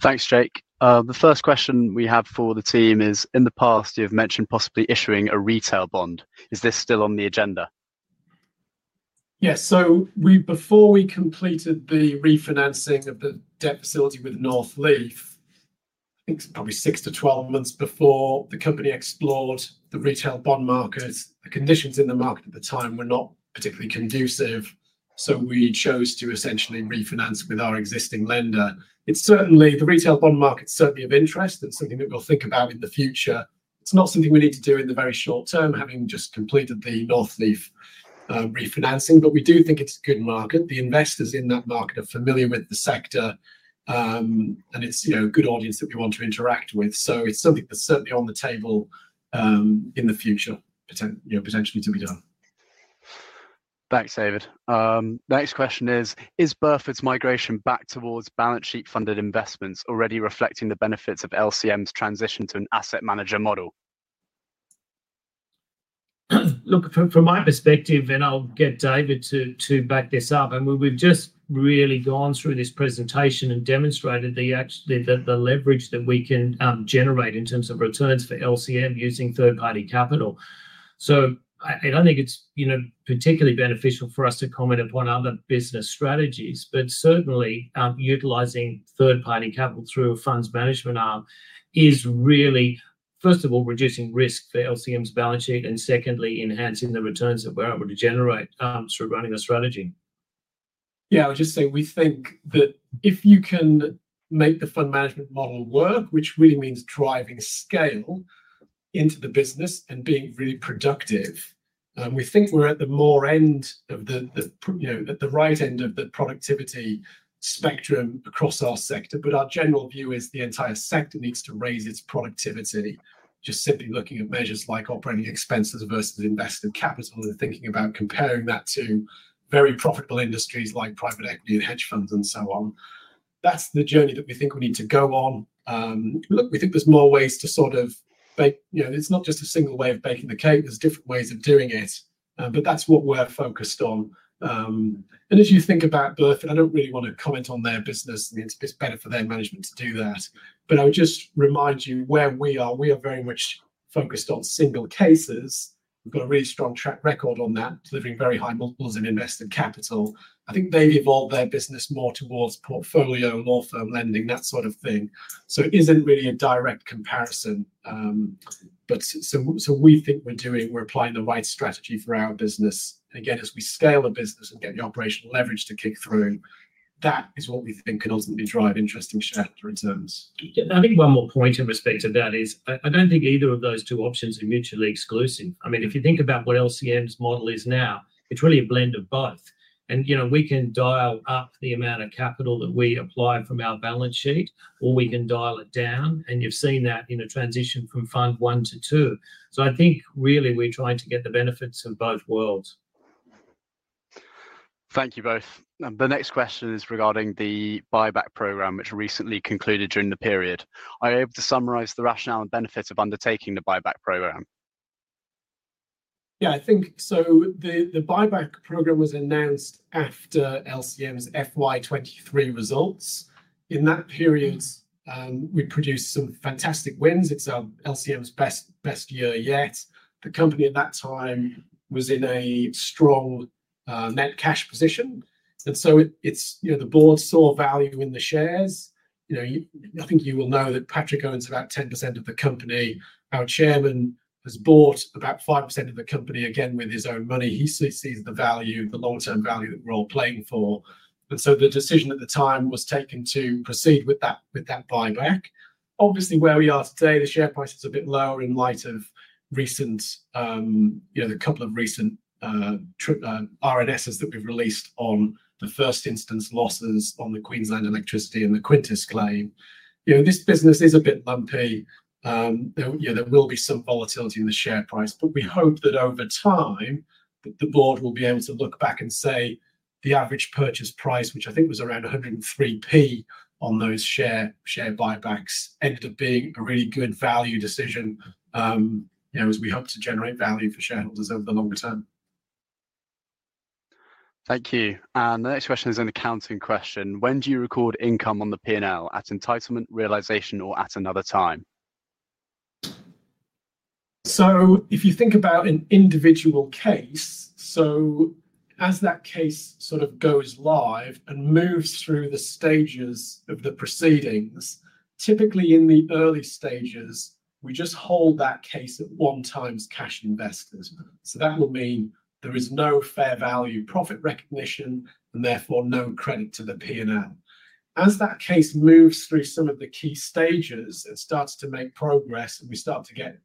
Thanks, Jake. The first question we have for the team is, in the past, you've mentioned possibly issuing a retail bond. Is this still on the agenda? Yes. Before we completed the refinancing of the debt facility with Northleaf, I think it is probably 6 to 12 months before the company explored the retail bond market. The conditions in the market at the time were not particularly conducive. We chose to essentially refinance with our existing lender. The retail bond market is certainly of interest. It is something that we will think about in the future. It is not something we need to do in the very short term, having just completed the Northleaf refinancing. We do think it is a good market. The investors in that market are familiar with the sector, and it is a good audience that we want to interact with. It is something that is certainly on the table in the future, potentially to be done. Thanks, David. Next question is, is Burford's migration back towards balance sheet funded investments already reflecting the benefits of LCM's transition to an asset manager model? Look, from my perspective, and I'll get David to back this up, and we've just really gone through this presentation and demonstrated the leverage that we can generate in terms of returns for LCM using third-party capital. I don't think it's particularly beneficial for us to comment upon other business strategies, but certainly utilizing third-party capital through a funds management arm is really, first of all, reducing risk for LCM's balance sheet and secondly, enhancing the returns that we're able to generate through running the strategy. Yeah, I would just say we think that if you can make the fund management model work, which really means driving scale into the business and being really productive, we think we're at the more end of the right end of the productivity spectrum across our sector. Our general view is the entire sector needs to raise its productivity, just simply looking at measures like operating expenses versus invested capital and thinking about comparing that to very profitable industries like private equity and hedge funds and so on. That's the journey that we think we need to go on. Look, we think there's more ways to sort of, it's not just a single way of baking the cake. There's different ways of doing it. That's what we're focused on. As you think about Burford, I don't really want to comment on their business. It's better for their management to do that. I would just remind you where we are, we are very much focused on single cases. We've got a really strong track record on that, delivering very high multiples in invested capital. I think they've evolved their business more towards portfolio, law firm lending, that sort of thing. It isn't really a direct comparison. We think we're doing, we're applying the right strategy for our business. Again, as we scale the business and get the operational leverage to kick through, that is what we think can ultimately drive interesting share returns. I think one more point in respect of that is I don't think either of those two options are mutually exclusive. I mean, if you think about what LCM's model is now, it's really a blend of both. We can dial up the amount of capital that we apply from our balance sheet, or we can dial it down. You have seen that in a transition from Fund One to Fund Two. I think really we are trying to get the benefits of both worlds. Thank you both. The next question is regarding the buyback program, which recently concluded during the period. Are you able to summarize the rationale and benefits of undertaking the buyback program? Yeah, I think the buyback program was announced after LCM's FY2023 results. In that period, we produced some fantastic wins. It is LCM's best year yet. The company at that time was in a strong net cash position. The board saw value in the shares. I think you will know that Patrick owns about 10% of the company. Our Chairman has bought about 5% of the company again with his own money. He sees the value, the long-term value that we're all playing for. The decision at the time was taken to proceed with that buyback. Obviously, where we are today, the share price is a bit lower in light of the couple of recent R&Ss that we've released on the first instance losses on the Queensland electricity and the Quintis claim. This business is a bit lumpy. There will be some volatility in the share price, but we hope that over time, the board will be able to look back and say the average purchase price, which I think was around 1.03 on those share buybacks, ended up being a really good value decision as we hope to generate value for shareholders over the longer term. Thank you. The next question is an accounting question. When do you record income on the P&L, at entitlement, realization, or at another time? If you think about an individual case, as that case sort of goes live and moves through the stages of the proceedings, typically in the early stages, we just hold that case at one time's cash investors. That will mean there is no fair value profit recognition and therefore no credit to the P&L. As that case moves through some of the key stages and starts to make progress and we start to get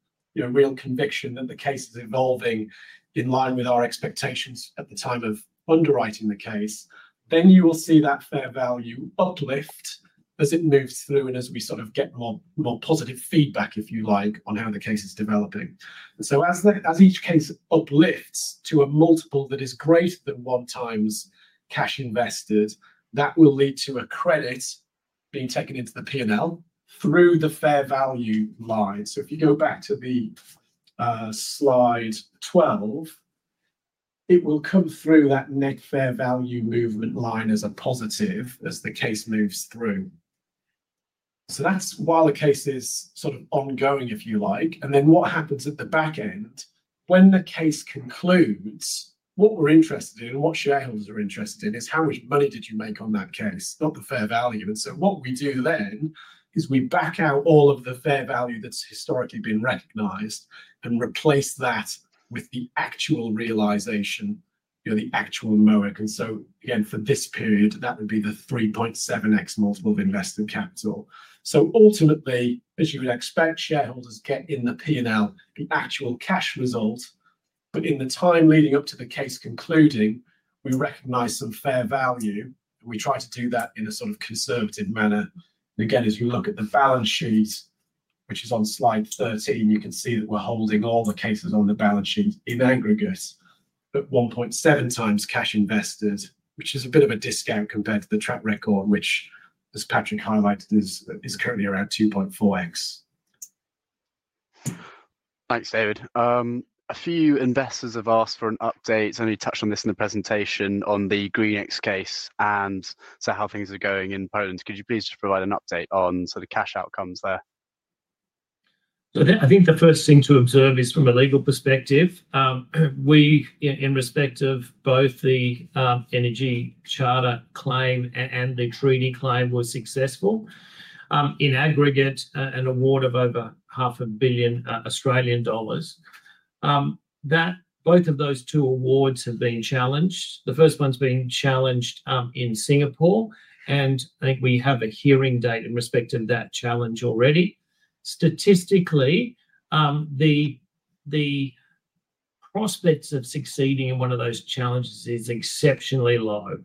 real conviction that the case is evolving in line with our expectations at the time of underwriting the case, you will see that fair value uplift as it moves through and as we sort of get more positive feedback, if you like, on how the case is developing. As each case uplifts to a multiple that is greater than one time's cash investors, that will lead to a credit being taken into the P&L through the fair value line. If you go back to slide 12, it will come through that net fair value movement line as a positive as the case moves through. That is while the case is sort of ongoing, if you like. What happens at the back end? When the case concludes, what we are interested in and what shareholders are interested in is how much money did you make on that case, not the fair value. What we do then is we back out all of the fair value that has historically been recognized and replace that with the actual realization, the actual MOIC. For this period, that would be the 3.7x multiple of invested capital. Ultimately, as you would expect, shareholders get in the P&L the actual cash result. In the time leading up to the case concluding, we recognize some fair value. We try to do that in a sort of conservative manner. As we look at the balance sheet, which is on slide 13, you can see that we're holding all the cases on the balance sheet in aggregate at 1.7x cash investors, which is a bit of a discount compared to the track record, which, as Patrick highlighted, is currently around 2.4x. Thanks, David. A few investors have asked for an update. I know you touched on this in the presentation on the GreenX case and how things are going in Poland. Could you please just provide an update on sort of cash outcomes there? I think the first thing to observe is from a legal perspective. We, in respect of both the Energy Charter claim and the treaty claim, were successful in aggregate an award of over 500,000,000 Australian dollars. Both of those two awards have been challenged. The first one's been challenged in Singapore, and I think we have a hearing date in respect of that challenge already. Statistically, the prospects of succeeding in one of those challenges is exceptionally low.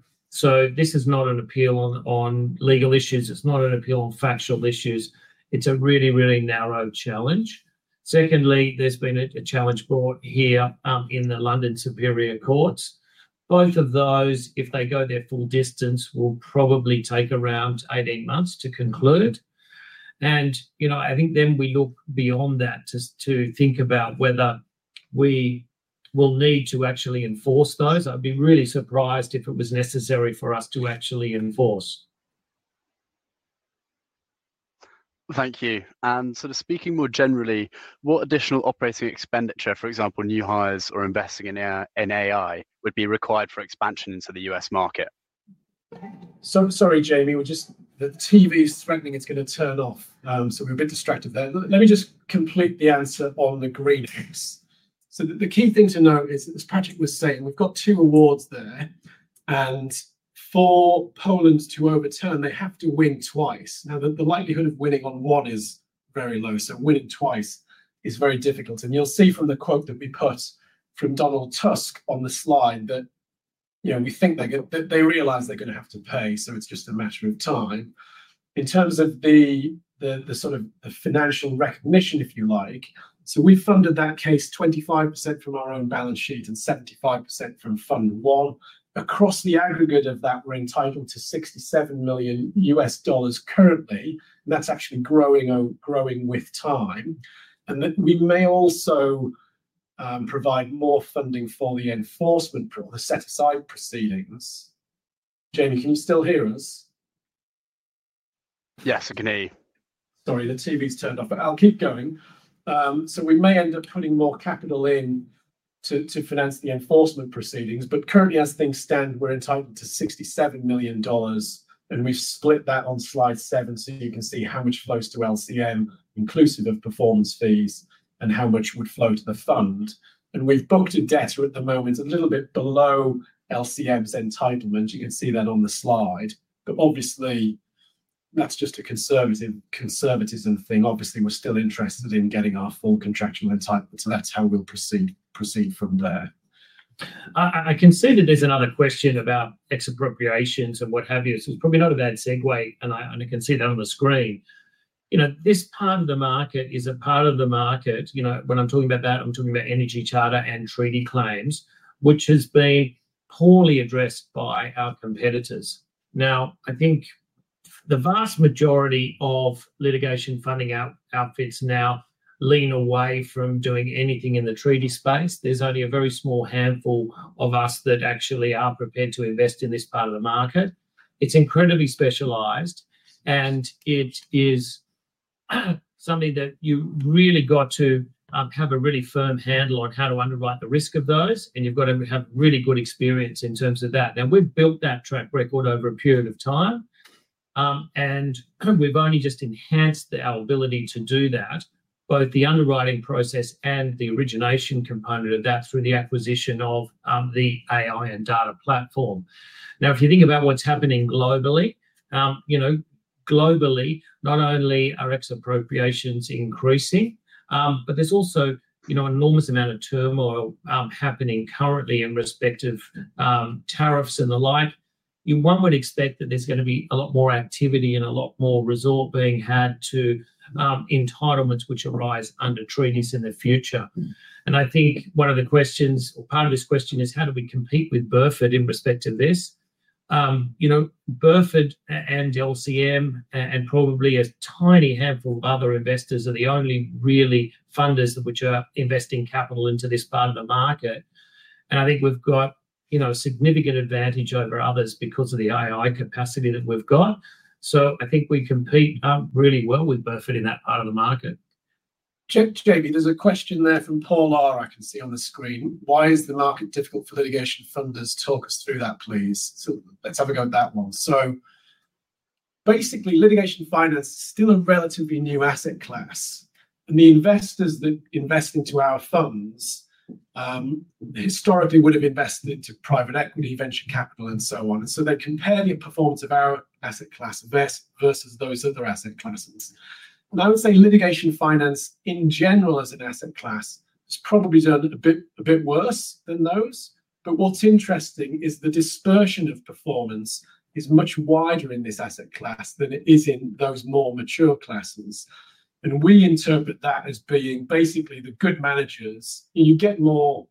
This is not an appeal on legal issues. It's not an appeal on factual issues. It's a really, really narrow challenge. Secondly, there's been a challenge brought here in the London Superior Courts. Both of those, if they go their full distance, will probably take around 18 months to conclude. I think then we look beyond that to think about whether we will need to actually enforce those. I'd be really surprised if it was necessary for us to actually enforce. Thank you. Sort of speaking more generally, what additional operating expenditure, for example, new hires or investing in AI, would be required for expansion into the US market? Sorry, Jamie, the TV is threatening it's going to turn off. We're a bit distracted there. Let me just complete the answer on the GreenX. The key thing to note is, as Patrick was saying, we've got two awards there. For Poland to overturn, they have to win twice. Now, the likelihood of winning on one is very low. Winning twice is very difficult. You'll see from the quote that we put from Donald Tusk on the slide that we think they realize they're going to have to pay. It's just a matter of time. In terms of the sort of financial recognition, if you like, we funded that case 25% from our own balance sheet and 75% from Fund One. Across the aggregate of that, we're entitled to $67 million currently. That's actually growing with time. We may also provide more funding for the enforcement, the set-aside proceedings. Jamie, can you still hear us? Yes, I can hear you. Sorry, the TV's turned off, but I'll keep going. We may end up putting more capital in to finance the enforcement proceedings. Currently, as things stand, we're entitled to $67 million. We have split that on slide seven so you can see how much flows to LCM, inclusive of performance fees, and how much would flow to the fund. We have booked a debtor at the moment, a little bit below LCM's entitlement. You can see that on the slide. That is just a conservatism thing. We are still interested in getting our full contractual entitlement. That is how we will proceed from there. I can see that there is another question about expropriations and what have you. It is probably not a bad segue. I can see that on the screen. This part of the market is a part of the market. When I am talking about that, I am talking about energy charter and treaty claims, which has been poorly addressed by our competitors. Now, I think the vast majority of litigation funding outfits now lean away from doing anything in the treaty space. There's only a very small handful of us that actually are prepared to invest in this part of the market. It's incredibly specialized. It is something that you really got to have a really firm handle on how to underwrite the risk of those. You've got to have really good experience in terms of that. Now, we've built that track record over a period of time. We've only just enhanced our ability to do that, both the underwriting process and the origination component of that through the acquisition of the AI and Data Platform. Now, if you think about what's happening globally, globally, not only are expropriations increasing, but there's also an enormous amount of turmoil happening currently in respect of tariffs and the like. One would expect that there's going to be a lot more activity and a lot more resort being had to entitlements which arise under treaties in the future. I think one of the questions, or part of this question is, how do we compete with Burford in respect of this? Burford and LCM, and probably a tiny handful of other investors, are the only really funders which are investing capital into this part of the market. I think we've got a significant advantage over others because of the AI capacity that we've got. I think we compete really well with Burford in that part of the market. Jamie, there's a question there from Paul Ora, I can see on the screen. Why is the market difficult for litigation funders? Talk us through that, please. Let's have a go at that one. Basically, litigation finance is still a relatively new asset class. The investors that invest into our funds historically would have invested into private equity, venture capital, and so on. They compare the performance of our asset class versus those other asset classes. I would say litigation finance in general as an asset class has probably done a bit worse than those. What's interesting is the dispersion of performance is much wider in this asset class than it is in those more mature classes. We interpret that as being basically the good managers. You get more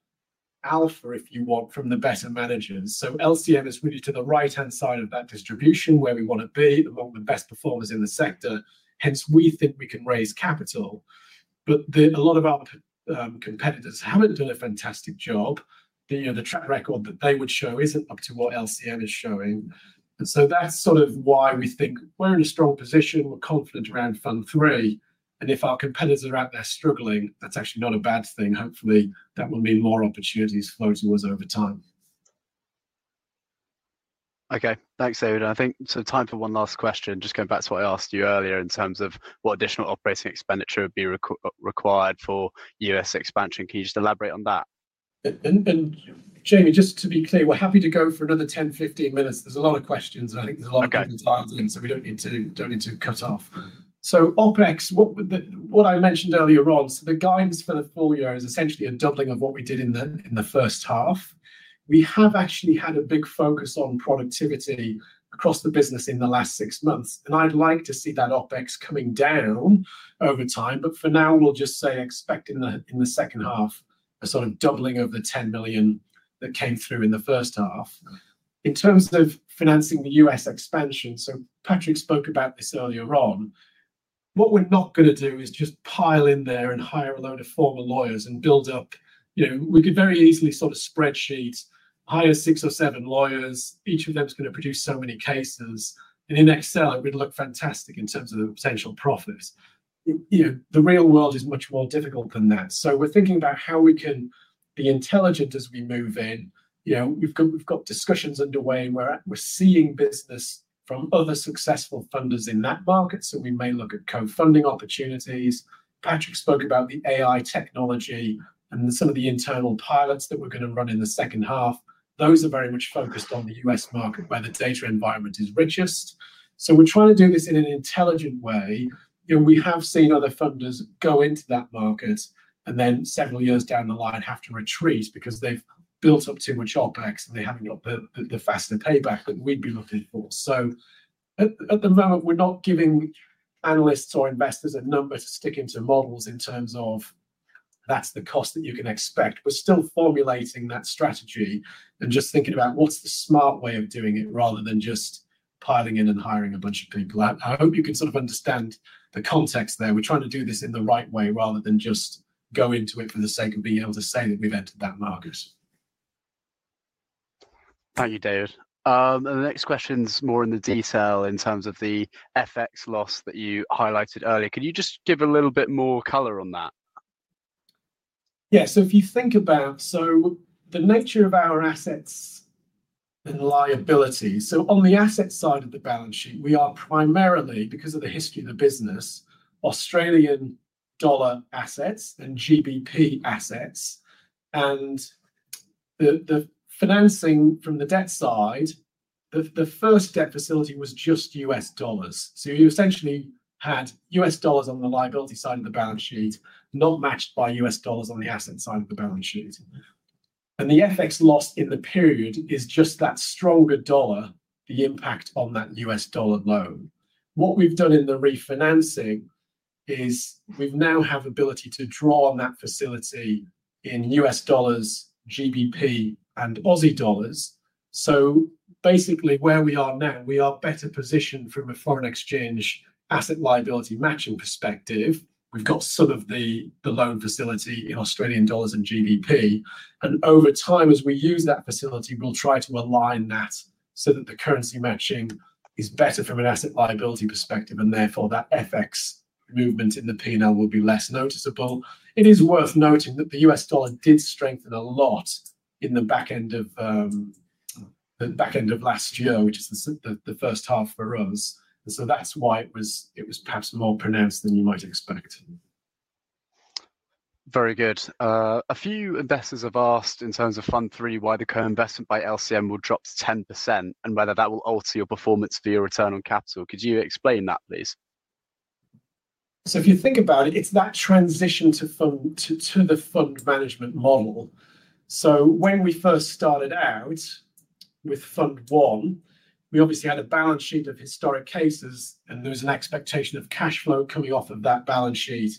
alpha, if you want, from the better managers. LCM is really to the right-hand side of that distribution where we want to be among the best performers in the sector. Hence, we think we can raise capital. A lot of our competitors have not done a fantastic job. The track record that they would show is not up to what LCM is showing. That is sort of why we think we are in a strong position. We are confident around fund three. If our competitors are out there struggling, that is actually not a bad thing. Hopefully, that will mean more opportunities flow to us over time. Okay. Thanks, David. I think it is sort of time for one last question. Just going back to what I asked you earlier in terms of what additional operating expenditure would be required for US expansion. Can you just elaborate on that? Jamie, just to be clear, we are happy to go for another 10-15 minutes. There are a lot of questions, and I think there are a lot of questions answered, so we do not need to cut off. OpEx, what I mentioned earlier on, the guidance for the full year is essentially a doubling of what we did in the first half. We have actually had a big focus on productivity across the business in the last six months. I'd like to see that OpEx coming down over time. For now, we'll just say expect in the second half a sort of doubling of the $10 million that came through in the first half. In terms of financing the US expansion, Patrick spoke about this earlier on, what we're not going to do is just pile in there and hire a load of former lawyers and build up. We could very easily sort of spreadsheet, hire six or seven lawyers. Each of them is going to produce so many cases. In Excel, it would look fantastic in terms of the potential profits. The real world is much more difficult than that. We are thinking about how we can be intelligent as we move in. We have got discussions underway where we are seeing business from other successful funders in that market. We may look at co-funding opportunities. Patrick spoke about the AI technology and some of the internal pilots that we are going to run in the second half. Those are very much focused on the US market where the data environment is richest. We are trying to do this in an intelligent way. We have seen other funders go into that market and then several years down the line have to retreat because they have built up too much OpEx and they have not got the faster payback that we would be looking for. At the moment, we're not giving analysts or investors a number to stick into models in terms of that's the cost that you can expect. We're still formulating that strategy and just thinking about what's the smart way of doing it rather than just piling in and hiring a bunch of people. I hope you can sort of understand the context there. We're trying to do this in the right way rather than just go into it for the sake of being able to say that we've entered that market. Thank you, David. The next question's more in the detail in terms of the FX loss that you highlighted earlier. Can you just give a little bit more color on that? Yeah. If you think about the nature of our assets and liabilities, on the asset side of the balance sheet, we are primarily, because of the history of the business, Australian dollar assets and GBP assets. The financing from the debt side, the first debt facility was just US dollars. You essentially had US dollars on the liability side of the balance sheet, not matched by US dollars on the asset side of the balance sheet. The FX loss in the period is just that stronger dollar, the impact on that US dollar loan. What we have done in the refinancing is we now have the ability to draw on that facility in US dollars, GBP, and Aussie dollars. Basically, where we are now, we are better positioned from a foreign exchange asset liability matching perspective. We've got some of the loan facility in Australian dollars and GBP. Over time, as we use that facility, we'll try to align that so that the currency matching is better from an asset liability perspective. Therefore, that FX movement in the P&L will be less noticeable. It is worth noting that the US dollar did strengthen a lot in the back end of last year, which is the first half for us. That is why it was perhaps more pronounced than you might expect. Very good. A few investors have asked in terms of Fund Three, why the co-investment by LCM will drop to 10% and whether that will alter your performance for your return on capital. Could you explain that, please? If you think about it, it's that transition to the fund management model. When we first started out with Fund One, we obviously had a balance sheet of historic cases, and there was an expectation of cash flow coming off of that balance sheet.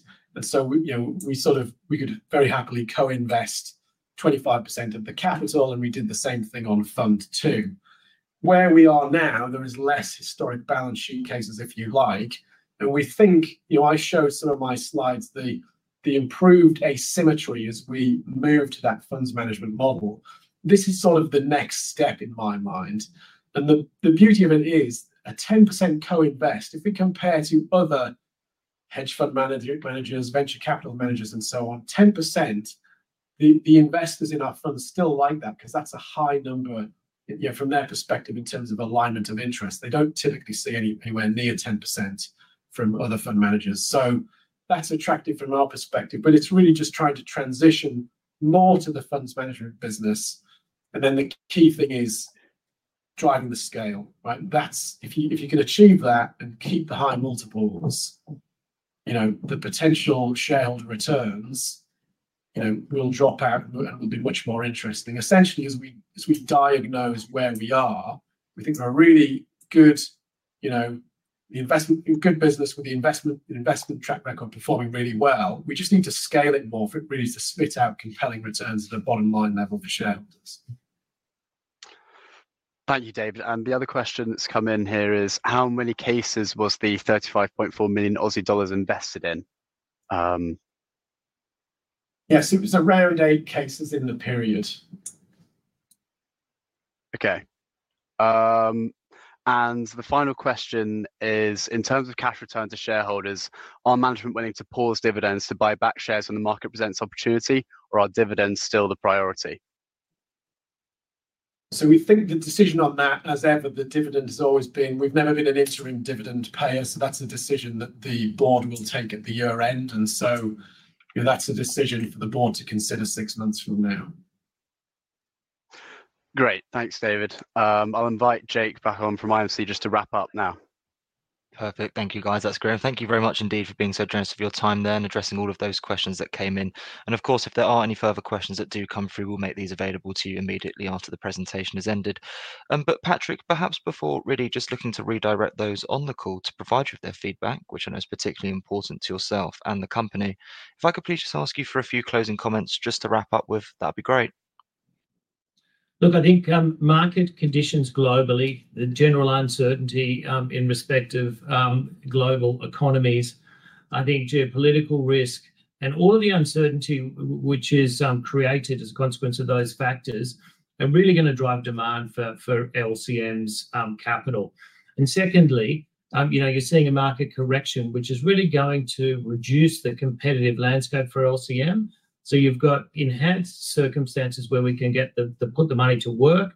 We could very happily co-invest 25% of the capital, and we did the same thing on Fund Two. Where we are now, there is less historic balance sheet cases, if you like. We think, I showed some of my slides, the improved asymmetry as we moved to that funds management model. This is sort of the next step in my mind. The beauty of it is a 10% co-invest. If we compare to other hedge fund managers, venture capital managers, and so on, 10%, the investors in our funds still like that because that is a high number from their perspective in terms of alignment of interest. They do not typically see anywhere near 10% from other fund managers. That is attractive from our perspective. It is really just trying to transition more to the funds management business. The key thing is driving the scale. If you can achieve that and keep the high multiples, the potential shareholder returns will drop out and will be much more interesting. Essentially, as we diagnose where we are, we think we are really good, the investment in good business with the investment track record performing really well. We just need to scale it more for it really to spit out compelling returns at a bottom-line level for shareholders. Thank you, David. The other question that has come in here is, how many cases was the 35.4 million Aussie dollars invested in? Yes, it was a rare and eight cases in the period. Okay. The final question is, in terms of cash return to shareholders, are management willing to pause dividends to buy back shares when the market presents opportunity, or are dividends still the priority? We think the decision on that, as ever, the dividend has always been, we've never been an interim dividend payer. That is a decision that the board will take at the year end. That is a decision for the board to consider six months from now. Great. Thanks, David. I'll invite Jake back on from IMC just to wrap up now. Perfect. Thank you, guys. That's great. Thank you very much indeed for being so generous of your time there and addressing all of those questions that came in. Of course, if there are any further questions that do come through, we'll make these available to you immediately after the presentation has ended. Patrick, perhaps before really just looking to redirect those on the call to provide you with their feedback, which I know is particularly important to yourself and the company, if I could please just ask you for a few closing comments just to wrap up with, that'd be great. Look, I think market conditions globally, the general uncertainty in respect of global economies, I think geopolitical risk and all of the uncertainty which is created as a consequence of those factors are really going to drive demand for LCM's capital. Secondly, you're seeing a market correction, which is really going to reduce the competitive landscape for LCM. You have enhanced circumstances where we can get the money to work.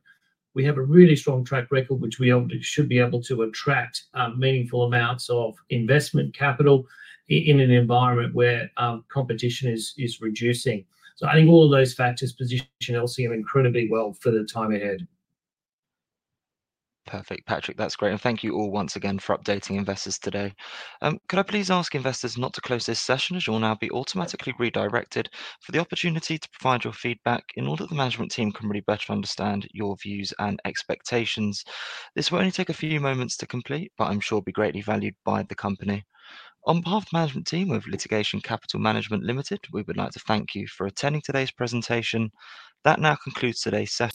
We have a really strong track record, which we should be able to attract meaningful amounts of investment capital in an environment where competition is reducing. I think all of those factors position LCM incredibly well for the time ahead. Perfect, Patrick. That's great. Thank you all once again for updating investors today. Could I please ask investors not to close this session as you'll now be automatically redirected for the opportunity to provide your feedback in order for the management team to really better understand your views and expectations? This will only take a few moments to complete, but I'm sure it will be greatly valued by the company. On behalf of the management team of Litigation Capital Management Limited, we would like to thank you for attending today's presentation. That now concludes today's session.